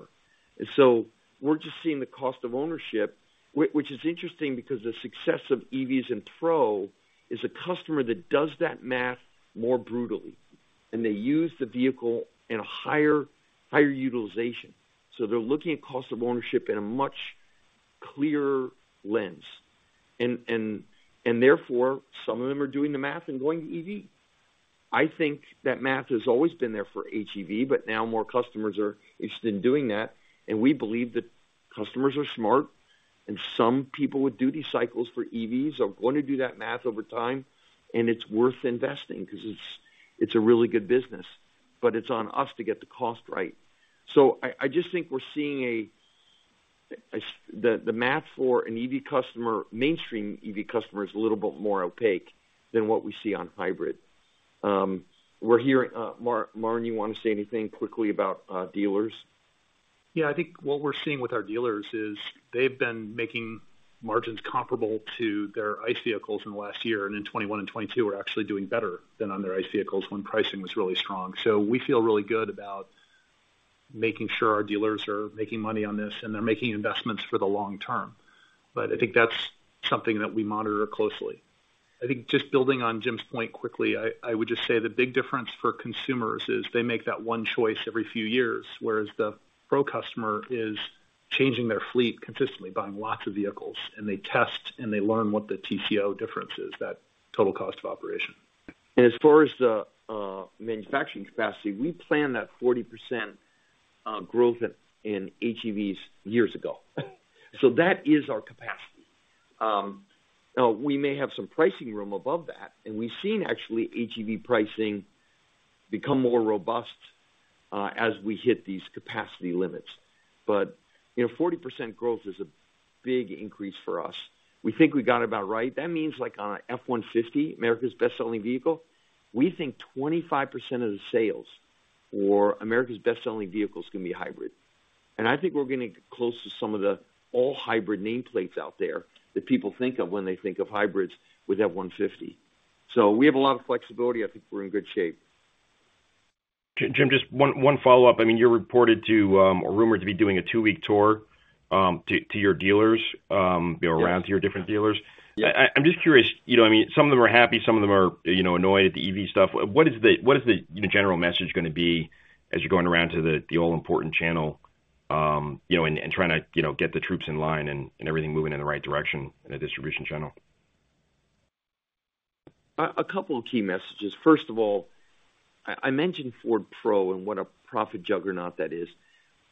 So we're just seeing the cost of ownership, which is interesting because the success of EVs in Pro is a customer that does that math more brutally, and they use the vehicle in a higher, higher utilization. So they're looking at cost of ownership in a much clearer lens, and therefore, some of them are doing the math and going to EV. I think that math has always been there for HEV, but now more customers are interested in doing that, and we believe that customers are smart, and some people with duty cycles for EVs are going to do that math over time. And it's worth investing because it's a really good business, but it's on us to get the cost right. So I just think we're seeing the math for an EV customer, mainstream EV customer, is a little bit more opaque than what we see on hybrid. We're hearing, Marin, you want to say anything quickly about dealers? Yeah, I think what we're seeing with our dealers is they've been making margins comparable to their ICE vehicles in the last year, and in 2021 and 2022, we're actually doing better than on their ICE vehicles when pricing was really strong. So we feel really good about making sure our dealers are making money on this, and they're making investments for the long term. But I think that's something that we monitor closely. I think just building on Jim's point quickly, I would just say the big difference for consumers is they make that one choice every few years, whereas the Pro customer is changing their fleet consistently, buying lots of vehicles, and they test, and they learn what the TCO difference is, that total cost of operation. And as far as the manufacturing capacity, we planned that 40% growth in HEVs years ago. So that is our capacity. Now, we may have some pricing room above that, and we've seen actually HEV pricing become more robust as we hit these capacity limits. But, you know, 40% growth is a big increase for us. We think we got it about right. That means, like on an F-150, America's best-selling vehicle, we think 25% of the sales for America's best-selling vehicle is going to be a hybrid. And I think we're getting close to some of the all-hybrid nameplates out there that people think of when they think of hybrids with F-150. So we have a lot of flexibility. I think we're in good shape. Jim, just one follow-up. I mean, you're reported to, or rumored to be doing a two-week tour, to your dealers, you know, around to your different dealers. I'm just curious, you know, I mean, some of them are happy, some of them are, you know, annoyed at the EV stuff. What is the general message going to be as you're going around to the all-important channel, you know, and trying to get the troops in line and everything moving in the right direction in the distribution channel? A couple of key messages. First of all, I mentioned Ford Pro and what a profit juggernaut that is.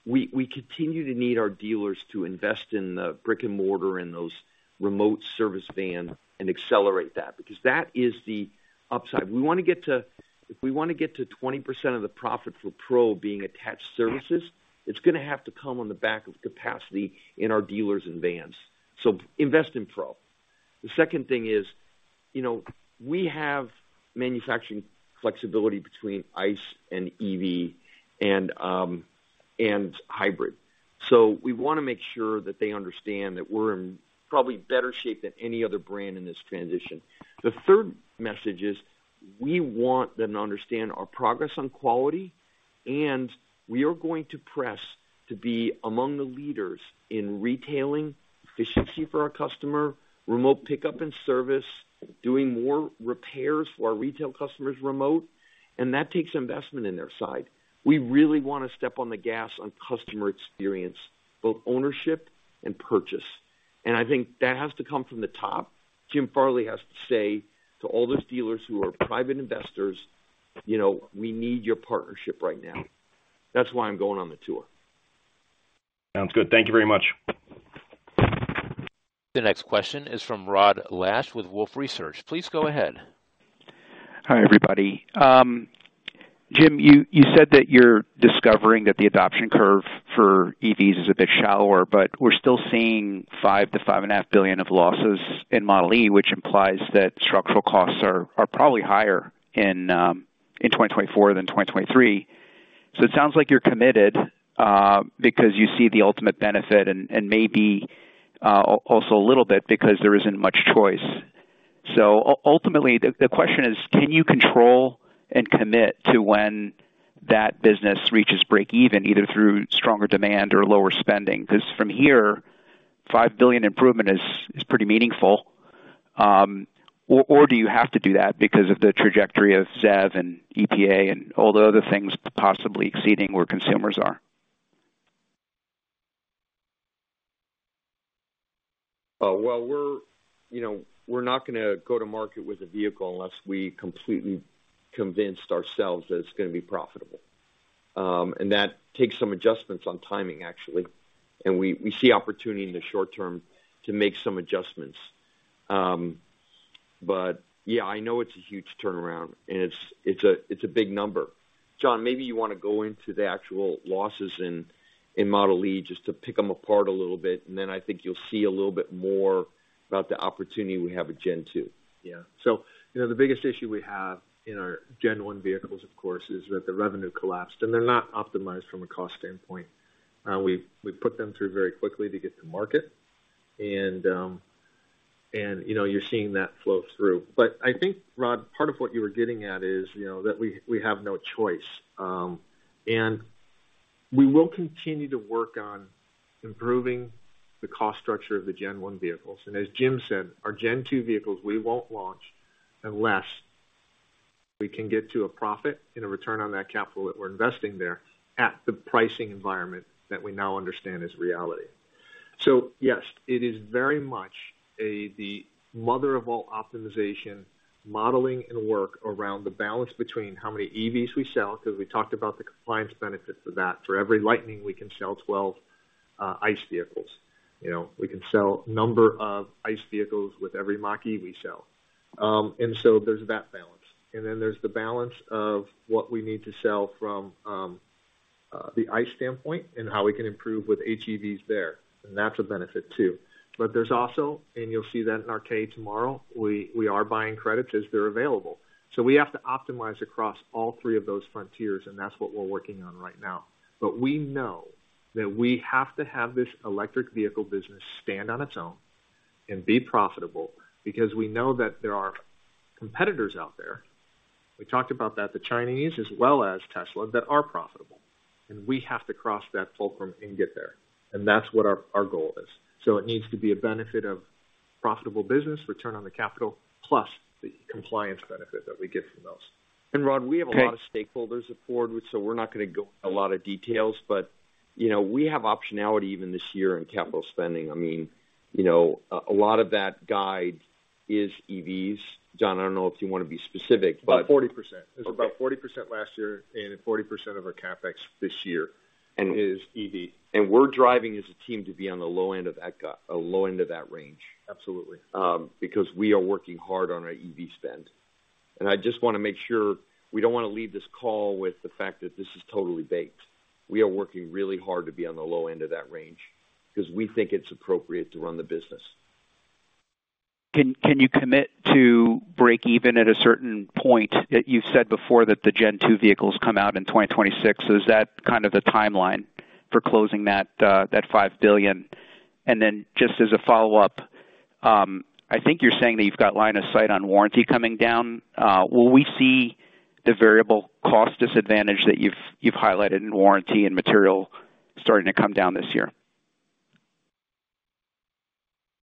We continue to need our dealers to invest in the brick-and-mortar and those remote service vans and accelerate that, because that is the upside. We want to get to. If we want to get to 20% of the profit for Pro being attached services, it's going to have to come on the back of capacity in our dealers and vans. So invest in Pro. The second thing is, you know, we have manufacturing flexibility between ICE and EV and hybrid. So we want to make sure that they understand that we're in probably better shape than any other brand in this transition. The third message is, we want them to understand our progress on quality, and we are going to press to be among the leaders in retailing efficiency for our customer, remote pickup and service, doing more repairs for our retail customers remote, and that takes investment in their side. We really want to step on the gas on customer experience, both ownership and purchase. I think that has to come from the top. Jim Farley has to say to all those dealers who are private investors, "You know, we need your partnership right now." That's why I'm going on the tour. Sounds good. Thank you very much. The next question is from Rod Lache with Wolfe Research. Please go ahead. Hi, everybody. Jim, you said that you're discovering that the adoption curve for EVs is a bit shallower, but we're still seeing $5 billion-$5.5 billion of losses in Model e, which implies that structural costs are probably higher in 2024 than 2023. So it sounds like you're committed because you see the ultimate benefit and maybe also a little bit because there isn't much choice. So ultimately, the question is, can you control and commit to when that business reaches break even, either through stronger demand or lower spending? Because from here, $5 billion improvement is pretty meaningful. Or do you have to do that because of the trajectory of ZEV and EPA and all the other things possibly exceeding where consumers are? Well, we're, you know, we're not gonna go to market with a vehicle unless we completely convinced ourselves that it's gonna be profitable. And that takes some adjustments on timing, actually, and we see opportunity in the short term to make some adjustments. But yeah, I know it's a huge turnaround, and it's a big number. John, maybe you wanna go into the actual losses in Model e, just to pick them apart a little bit, and then I think you'll see a little bit more about the opportunity we have with Gen 2. Yeah. So, you know, the biggest issue we have in our Gen 1 vehicles, of course, is that the revenue collapsed, and they're not optimized from a cost standpoint. We put them through very quickly to get to market. And, you know, you're seeing that flow through. But I think, Rod, part of what you were getting at is, you know, that we have no choice. And we will continue to work on improving the cost structure of the Gen 1 vehicles. And as Jim said, our Gen 2 vehicles, we won't launch unless we can get to a profit and a return on that capital that we're investing there at the pricing environment that we now understand is reality. So yes, it is very much a, the mother of all optimization, modeling, and work around the balance between how many EVs we sell, because we talked about the compliance benefit for that. For every Lightning, we can sell 12 ICE vehicles. You know, we can sell a number of ICE vehicles with every Mach-E we sell. And so there's that balance. And then there's the balance of what we need to sell from the ICE standpoint and how we can improve with HEVs there, and that's a benefit, too. But there's also, and you'll see that in our K tomorrow, we are buying credits as they're available. So we have to optimize across all three of those frontiers, and that's what we're working on right now. We know that we have to have this electric vehicle business stand on its own and be profitable because we know that there are competitors out there, we talked about that, the Chinese, as well as Tesla, that are profitable, and we have to cross that fulcrum and get there, and that's what our, our goal is. So it needs to be a benefit of profitable business, return on the capital, plus the compliance benefit that we get from those. And Rod, we have a lot of stakeholders at Ford, so we're not gonna go into a lot of details, but, you know, we have optionality even this year in capital spending. I mean, you know, a lot of that guide is EVs. John, I don't know if you want to be specific, but- Forty percent. It was about 40% last year and 40% of our CapEx this year, and it is EV. We're driving as a team to be on the low end of that range. Absolutely. Because we are working hard on our EV spend. I just want to make sure. We don't want to leave this call with the fact that this is totally baked. We are working really hard to be on the low end of that range because we think it's appropriate to run the business. Can you commit to break even at a certain point? You've said before that the Gen 2 vehicles come out in 2026. So is that kind of the timeline for closing that $5 billion? And then just as a follow-up, I think you're saying that you've got line of sight on warranty coming down. Will we see the variable cost disadvantage that you've highlighted in warranty and material starting to come down this year?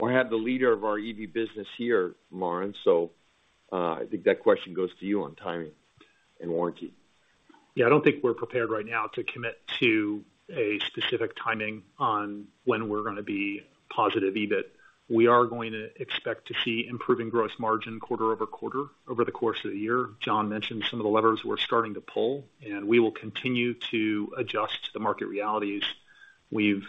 Well, I have the leader of our EV business here, Marin, so I think that question goes to you on timing and warranty. Yeah, I don't think we're prepared right now to commit to a specific timing on when we're gonna be positive EBIT. We are going to expect to see improving gross margin quarter-over-quarter over the course of the year. John mentioned some of the levers we're starting to pull, and we will continue to adjust to the market realities. We've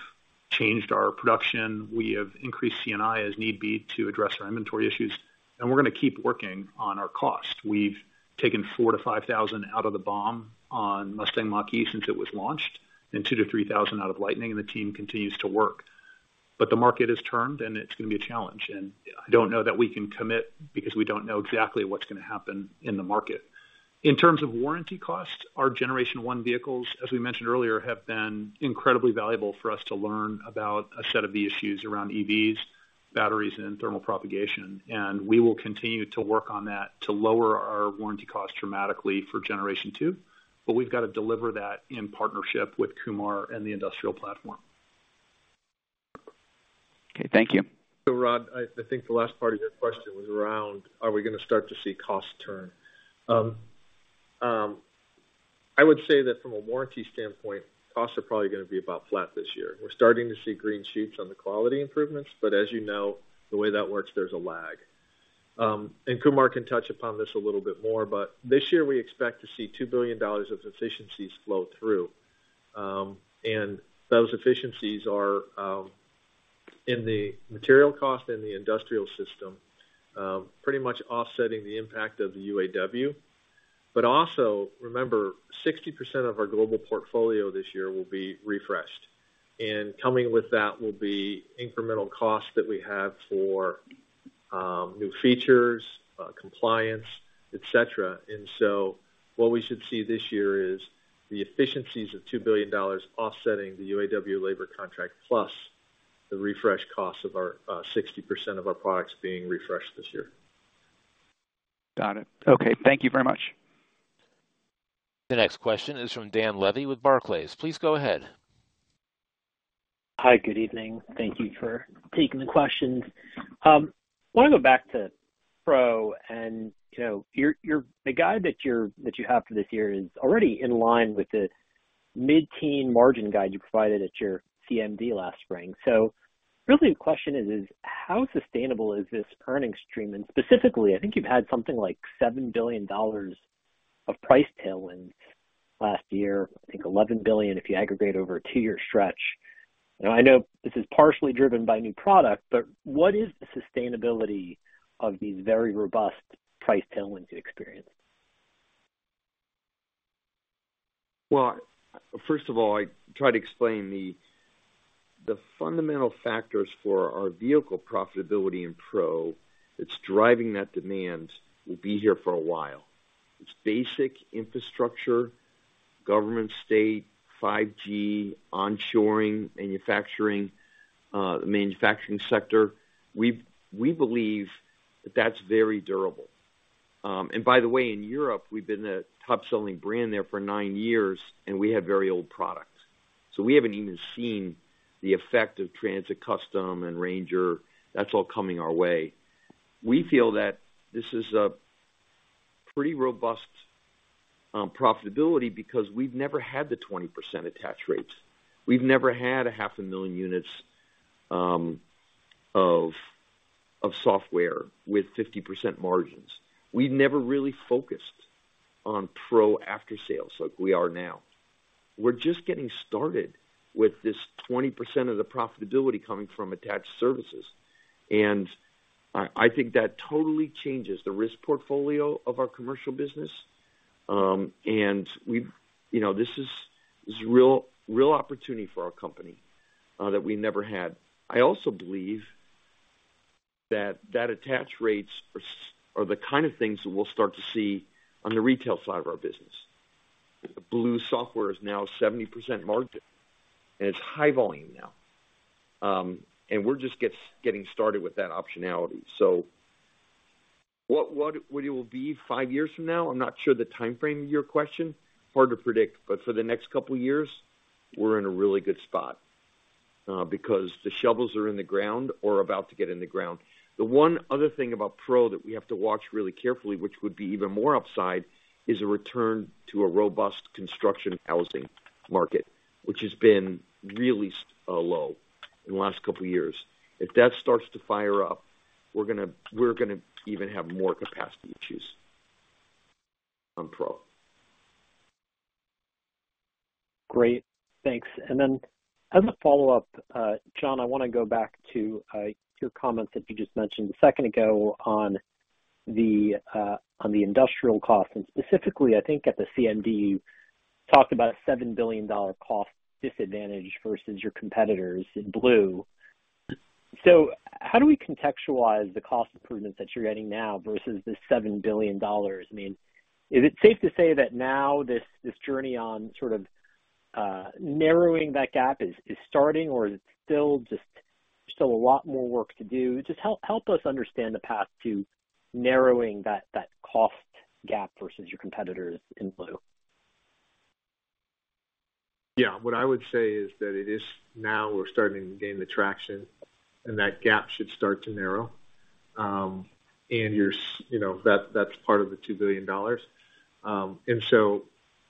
changed our production. We have increased C&I as need be to address our inventory issues, and we're gonna keep working on our cost. We've taken $4,000-$5,000 out of the BOM on Mustang Mach-E since it was launched, and $2,000-$3,000 out of Lightning, and the team continues to work. But the market has turned, and it's gonna be a challenge, and I don't know that we can commit because we don't know exactly what's gonna happen in the market. In terms of warranty costs, our Generation 1 vehicles, as we mentioned earlier, have been incredibly valuable for us to learn about a set of the issues around EVs, batteries, and thermal propagation. We will continue to work on that to lower our warranty costs dramatically for Generation 2, but we've got to deliver that in partnership with Kumar and the industrial platform. Okay, thank you. So Rod, I think the last part of your question was around: are we gonna start to see costs turn? I would say that from a warranty standpoint, costs are probably gonna be about flat this year. We're starting to see green sheets on the quality improvements, but as you know, the way that works, there's a lag. And Kumar can touch upon this a little bit more, but this year we expect to see $2 billion of efficiencies flow through. And those efficiencies are in the material cost and the industrial system, pretty much offsetting the impact of the UAW. But also, remember, 60% of our global portfolio this year will be refreshed, and coming with that will be incremental costs that we have for new features, compliance, et cetera. And so what we should see this year is the efficiencies of $2 billion offsetting the UAW labor contract, plus the refresh costs of our 60% of our products being refreshed this year. Got it. Okay, thank you very much. The next question is from Dan Levy with Barclays. Please go ahead. Hi, good evening. Thank you for taking the questions. I want to go back to Pro and, you know, the guide that you have for this year is already in line with the-mid-teen margin guide you provided at your CMD last spring. So really the question is, how sustainable is this earning stream? And specifically, I think you've had something like $7 billion of price tailwind last year, I think $11 billion, if you aggregate over a two-year stretch. Now, I know this is partially driven by new product, but what is the sustainability of these very robust price tailwinds you experience? Well, first of all, I try to explain the, the fundamental factors for our vehicle profitability in Pro that's driving that demand will be here for a while. It's basic infrastructure, government, state, 5G, onshoring, manufacturing, the manufacturing sector. We believe that's very durable. And by the way, in Europe, we've been the top-selling brand there for nine years, and we have very old products. So we haven't even seen the effect of Transit Custom and Ranger. That's all coming our way. We feel that this is a pretty robust profitability because we've never had the 20% attach rates. We've never had 500,000 units of software with 50% margins. We've never really focused on Pro after-sales like we are now. We're just getting started with this 20% of the profitability coming from attached services, and I think that totally changes the risk portfolio of our commercial business. You know, this is, this real opportunity for our company, that we never had. I also believe that attach rates are the kind of things that we'll start to see on the retail side of our business. Blue software is now 70% margin, and it's high volume now. And we're just getting started with that optionality. So what it will be five years from now? I'm not sure the timeframe of your question, hard to predict, but for the next couple of years, we're in a really good spot, because the shovels are in the ground or about to get in the ground. The one other thing about Pro that we have to watch really carefully, which would be even more upside, is a return to a robust construction housing market, which has been really low in the last couple of years. If that starts to fire up, we're gonna, we're gonna even have more capacity issues on Pro. Great, thanks. And then as a follow-up, John, I wanna go back to your comments that you just mentioned a second ago on the industrial cost, and specifically, I think at the CMD, you talked about a $7 billion cost disadvantage versus your competitors in Blue. So how do we contextualize the cost improvements that you're getting now versus the $7 billion? I mean, is it safe to say that now this journey on sort of narrowing that gap is starting, or is it still just a lot more work to do? Just help us understand the path to narrowing that cost gap versus your competitors in Blue. Yeah. What I would say is that it is now we're starting to gain the traction, and that gap should start to narrow. And you're, you know, that, that's part of the $2 billion. And so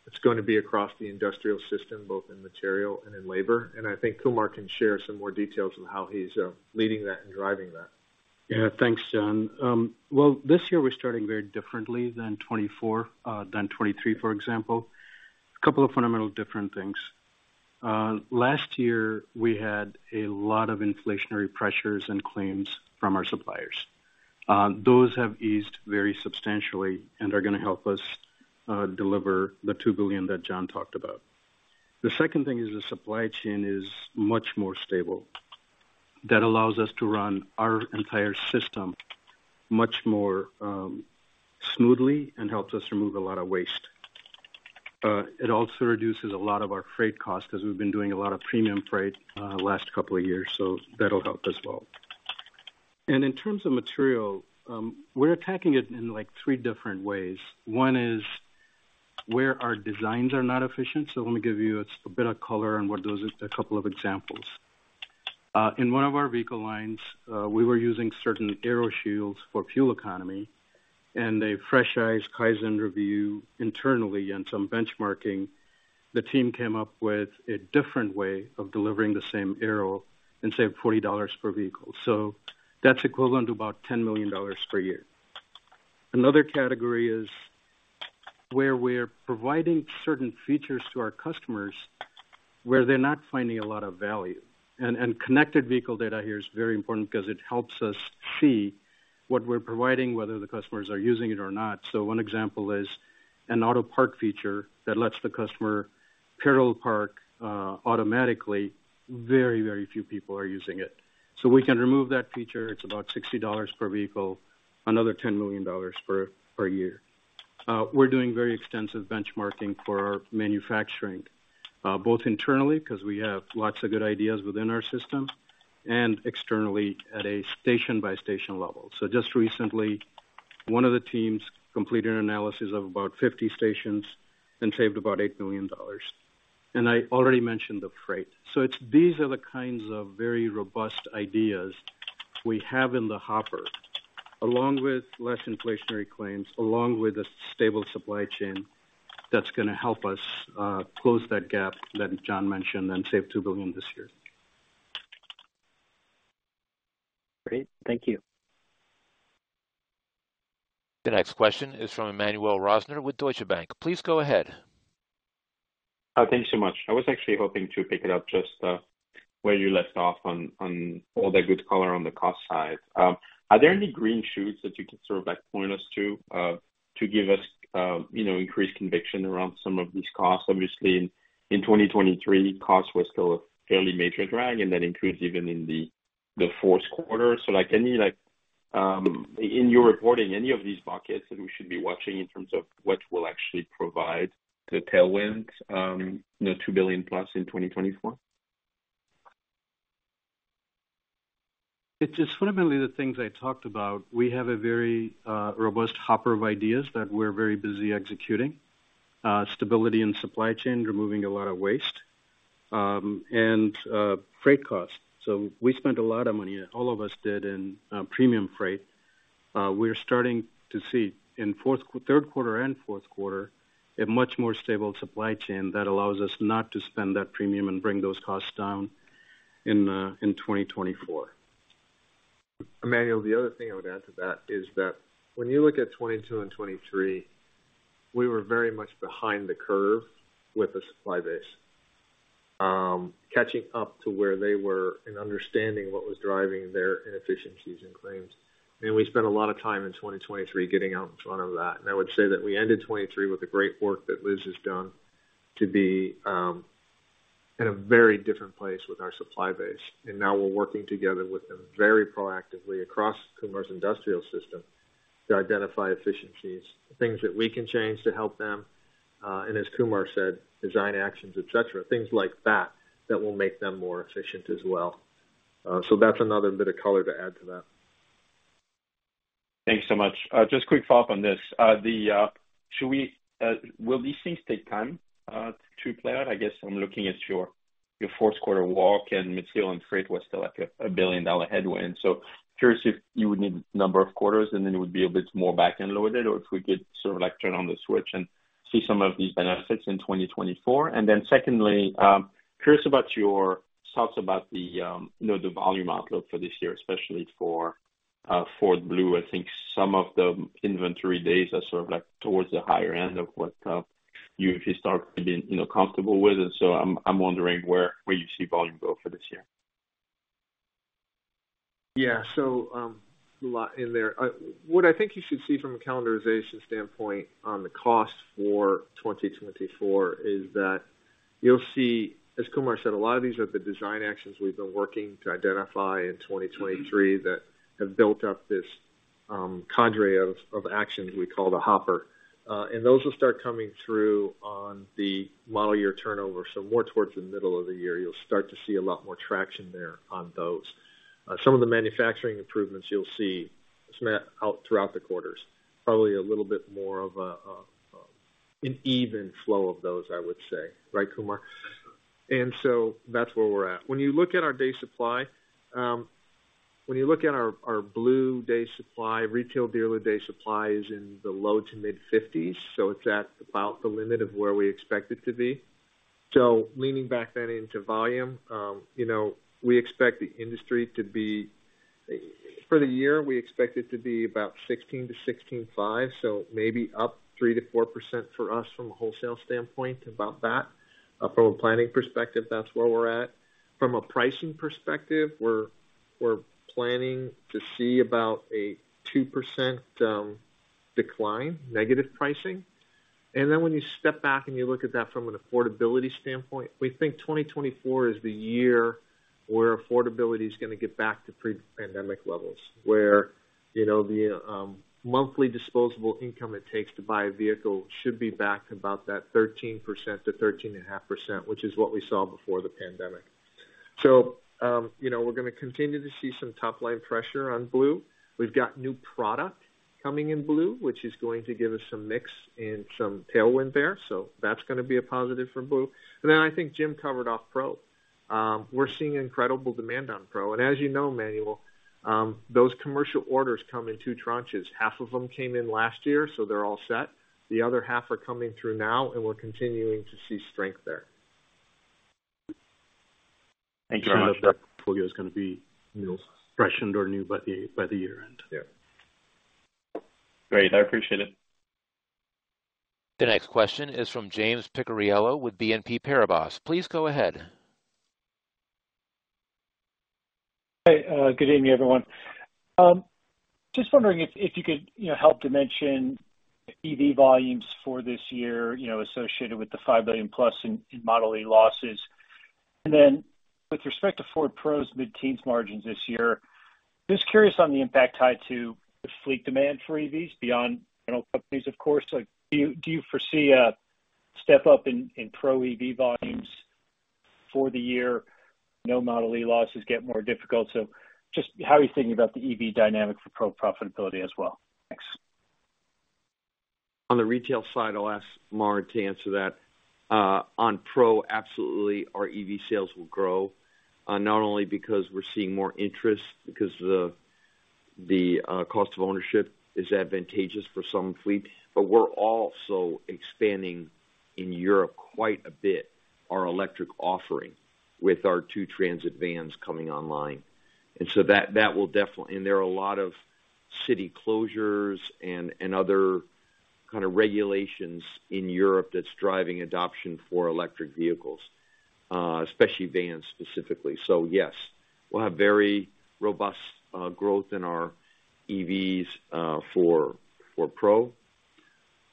it's gonna be across the industrial system, both in material and in labor. And I think Kumar can share some more details on how he's leading that and driving that. Yeah. Thanks, John. Well, this year we're starting very differently than 2024, than 2023, for example. A couple of fundamental different things. Last year, we had a lot of inflationary pressures and claims from our suppliers. Those have eased very substantially and are gonna help us deliver the $2 billion that John talked about. The second thing is, the supply chain is much more stable. That allows us to run our entire system much more smoothly and helps us remove a lot of waste. It also reduces a lot of our freight costs because we've been doing a lot of premium freight last couple of years, so that'll help as well. And in terms of material, we're attacking it in, like, three different ways. One is where our designs are not efficient. So let me give you a bit of color on what those is, a couple of examples. In one of our vehicle lines, we were using certain aero shields for fuel economy, and a fresh eyes Kaizen review internally and some benchmarking, the team came up with a different way of delivering the same aero and save $40 per vehicle. So that's equivalent to about $10 million per year. Another category is where we're providing certain features to our customers, where they're not finding a lot of value. And connected vehicle data here is very important because it helps us see what we're providing, whether the customers are using it or not. So one example is an auto park feature that lets the customer parallel park automatically. Very, very few people are using it. So we can remove that feature. It's about $60 per vehicle, another $10 million per year. We're doing very extensive benchmarking for our manufacturing, both internally, 'cause we have lots of good ideas within our system, and externally at a station-by-station level. So just recently, one of the teams completed an analysis of about 50 stations and saved about $8 million. And I already mentioned the freight. So it's these are the kinds of very robust ideas we have in the hopper, along with less inflationary claims, along with a stable supply chain, that's gonna help us close that gap that John mentioned and save $2 billion this year. Great. Thank you. The next question is from Emmanuel Rosner with Deutsche Bank. Please go ahead. Thank you so much. I was actually hoping to pick it up just, where you left off on all the good color on the cost side. Are there any green shoots that you can sort of, like, point us to, to give us, you know, increased conviction around some of these costs? Obviously, in 2023, costs were still a fairly major drag, and that increased even in the fourth quarter. So like any like, in your reporting, any of these buckets that we should be watching in terms of what will actually provide the tailwinds, the $2 billion+ in 2024? It's just fundamentally the things I talked about. We have a very robust hopper of ideas that we're very busy executing stability in supply chain, removing a lot of waste and freight costs. So we spent a lot of money, and all of us did, in premium freight. We're starting to see in third quarter and fourth quarter a much more stable supply chain that allows us not to spend that premium and bring those costs down in 2024. Emmanuel, the other thing I would add to that is that when you look at 2022 and 2023, we were very much behind the curve with the supply base. Catching up to where they were and understanding what was driving their inefficiencies in claims. And we spent a lot of time in 2023 getting out in front of that. And I would say that we ended 2023 with the great work that Liz has done to be in a very different place with our supply base. And now we're working together with them very proactively across Kumar's industrial system to identify efficiencies, things that we can change to help them, and as Kumar said, design actions, et cetera, things like that, that will make them more efficient as well. So that's another bit of color to add to that. Thanks so much. Just a quick follow-up on this. Will these things take time to play out? I guess I'm looking at your fourth quarter walk, and it's still on freight was still, like, a billion-dollar headwind. So curious if you would need a number of quarters, and then it would be a bit more back-end loaded, or if we could sort of, like, turn on the switch and see some of these benefits in 2024. And then secondly, curious about your thoughts about the, you know, the volume outlook for this year, especially for Ford Blue. I think some of the inventory days are sort of, like, towards the higher end of what you usually start being, you know, comfortable with. And so I'm wondering where you see volume go for this year. Yeah. So, a lot in there. What I think you should see from a calendarization standpoint on the cost for 2024 is that you'll see, as Kumar said, a lot of these are the design actions we've been working to identify in 2023 that have built up this cadre of actions we call the hopper. And those will start coming through on the model year turnover. So more towards the middle of the year, you'll start to see a lot more traction there on those. Some of the manufacturing improvements you'll see, some out throughout the quarters, probably a little bit more of an even flow of those, I would say. Right, Kumar? And so that's where we're at. When you look at our day supply, when you look at our, our Blue day supply, retail dealer day supply is in the low-to-mid 50s, so it's at about the limit of where we expect it to be. So leaning back then into volume, you know, we expect the industry to be... For the year, we expect it to be about 16 to 16.5, so maybe up 3%-4% for us from a wholesale standpoint, about that. From a planning perspective, that's where we're at. From a pricing perspective, we're, we're planning to see about a 2% decline, negative pricing. And then when you step back and you look at that from an affordability standpoint, we think 2024 is the year where affordability is gonna get back to pre-pandemic levels, where, you know, the monthly disposable income it takes to buy a vehicle should be back to about that 13%-13.5%, which is what we saw before the pandemic. So, you know, we're gonna continue to see some top-line pressure on Blue. We've got new product coming in Blue, which is going to give us some mix and some tailwind there, so that's gonna be a positive for Blue. And then I think Jim covered off Pro. We're seeing incredible demand on Pro, and as you know, Emmanuel, those commercial orders come in two tranches. Half of them came in last year, so they're all set. The other half are coming through now, and we're continuing to see strength there. Thank you so much. That portfolio is gonna be, you know, freshened or new by the year-end. Great. I appreciate it. The next question is from James Picariello with BNP Paribas. Please go ahead. Hey, good evening, everyone. Just wondering if you could, you know, help dimension EV volumes for this year, you know, associated with the $5 billion+ in Model e losses. And then with respect to Ford Pro's mid-teens margins this year, just curious on the impact tied to the fleet demand for EVs beyond, you know, companies, of course. Like, do you foresee a step up in Pro EV volumes for the year? Now Model e losses get more difficult. So just how are you thinking about the EV dynamic for Pro profitability as well? Thanks. On the retail side, I'll ask Marin to answer that. On Pro, absolutely, our EV sales will grow, not only because we're seeing more interest, because the cost of ownership is advantageous for some fleets, but we're also expanding in Europe quite a bit, our electric offering, with our two Transit vans coming online. And so that will definitely—and there are a lot of city closures and other kind of regulations in Europe that's driving adoption for electric vehicles, especially vans, specifically. So yes, we'll have very robust growth in our EVs for Pro.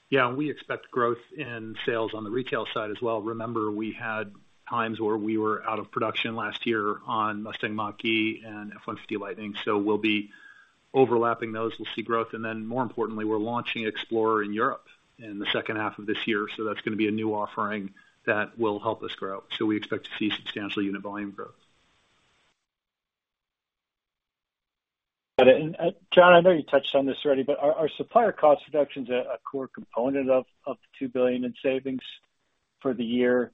Yeah, we expect growth in sales on the retail side as well. Remember, we had times where we were out of production last year on Mustang Mach-E and F-150 Lightning, so we'll be overlapping those. We'll see growth, and then, more importantly, we're launching Explorer in Europe in the second half of this year, so that's gonna be a new offering that will help us grow. So we expect to see substantial unit volume growth. Got it. And, John, I know you touched on this already, but are supplier cost reductions a core component of the $2 billion in savings for the year?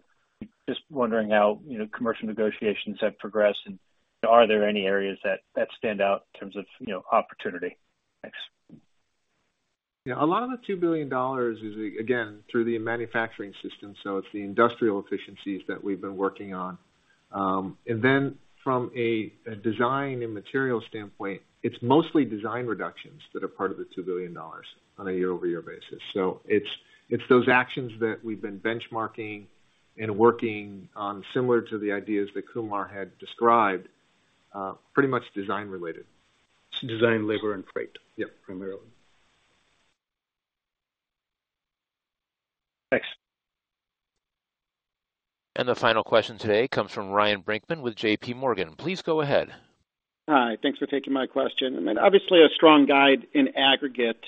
Just wondering how, you know, commercial negotiations have progressed, and are there any areas that stand out in terms of, you know, opportunity? Thanks. Yeah, a lot of the $2 billion is, again, through the manufacturing system, so it's the industrial efficiencies that we've been working on. And then from a design and material standpoint, it's mostly design reductions that are part of the $2 billion on a year-over-year basis. So it's those actions that we've been benchmarking and working on, similar to the ideas that Kumar had described, pretty much design related. Design, labor, and freight. Yep. Primarily. Thanks. The final question today comes from Ryan Brinkman with JP Morgan. Please go ahead. Hi, thanks for taking my question, and then obviously, a strong guide in aggregate.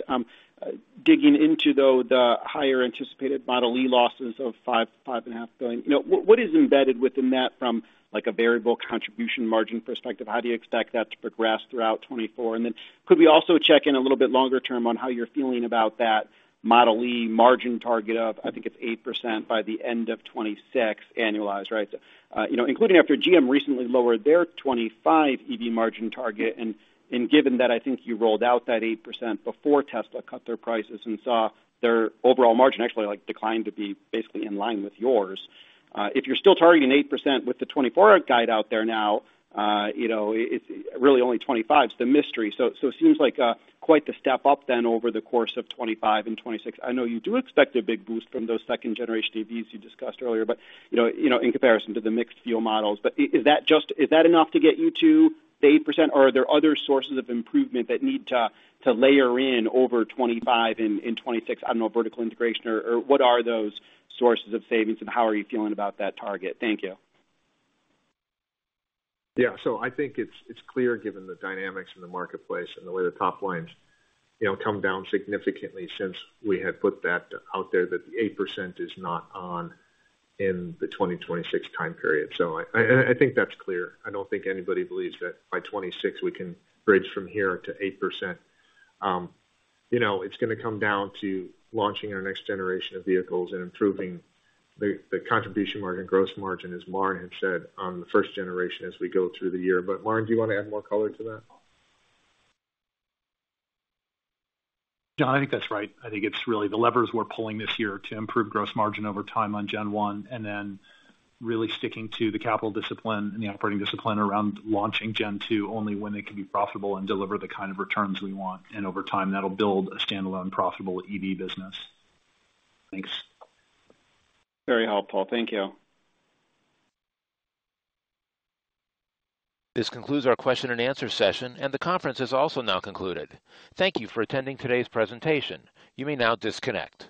Digging into, though, the higher anticipated Model e losses of $5-$5.5 billion, you know, what, what is embedded within that from, like, a variable contribution margin perspective? How do you expect that to progress throughout 2024? And then could we also check in a little bit longer term on how you're feeling about that Model e margin target of, I think it's 8% by the end of 2026, annualized, right? So, you know, including after GM recently lowered their 2025 EV margin target, and, and given that, I think you rolled out that 8% before Tesla cut their prices and saw their overall margin actually, like, decline to be basically in line with yours. If you're still targeting 8% with the 2024 guide out there now, you know, it's really only 2025, it's the mystery. It seems like quite the step up then over the course of 2025 and 2026. I know you do expect a big boost from those second-generation EVs you discussed earlier, but, you know, you know, in comparison to the mixed fuel models. But is that just- is that enough to get you to the 8%, or are there other sources of improvement that need to layer in over 2025 and 2026? I don't know, vertical integration or what are those sources of savings, and how are you feeling about that target? Thank you. Yeah, so I think it's clear, given the dynamics in the marketplace and the way the top line's, you know, come down significantly since we had put that out there, that the 8% is not on in the 2026 time period. So I think that's clear. I don't think anybody believes that by 2026 we can bridge from here to 8%. You know, it's gonna come down to launching our next generation of vehicles and improving the contribution margin and gross margin, as Marin had said, on the first generation as we go through the year. But Marin, do you want to add more color to that? John, I think that's right. I think it's really the levers we're pulling this year to improve gross margin over time on Gen One, and then really sticking to the capital discipline and the operating discipline around launching Gen Two only when it can be profitable and deliver the kind of returns we want. Over time, that'll build a standalone profitable EV business. Thanks. Very helpful. Thank you. This concludes our question and answer session, and the conference is also now concluded. Thank you for attending today's presentation. You may now disconnect.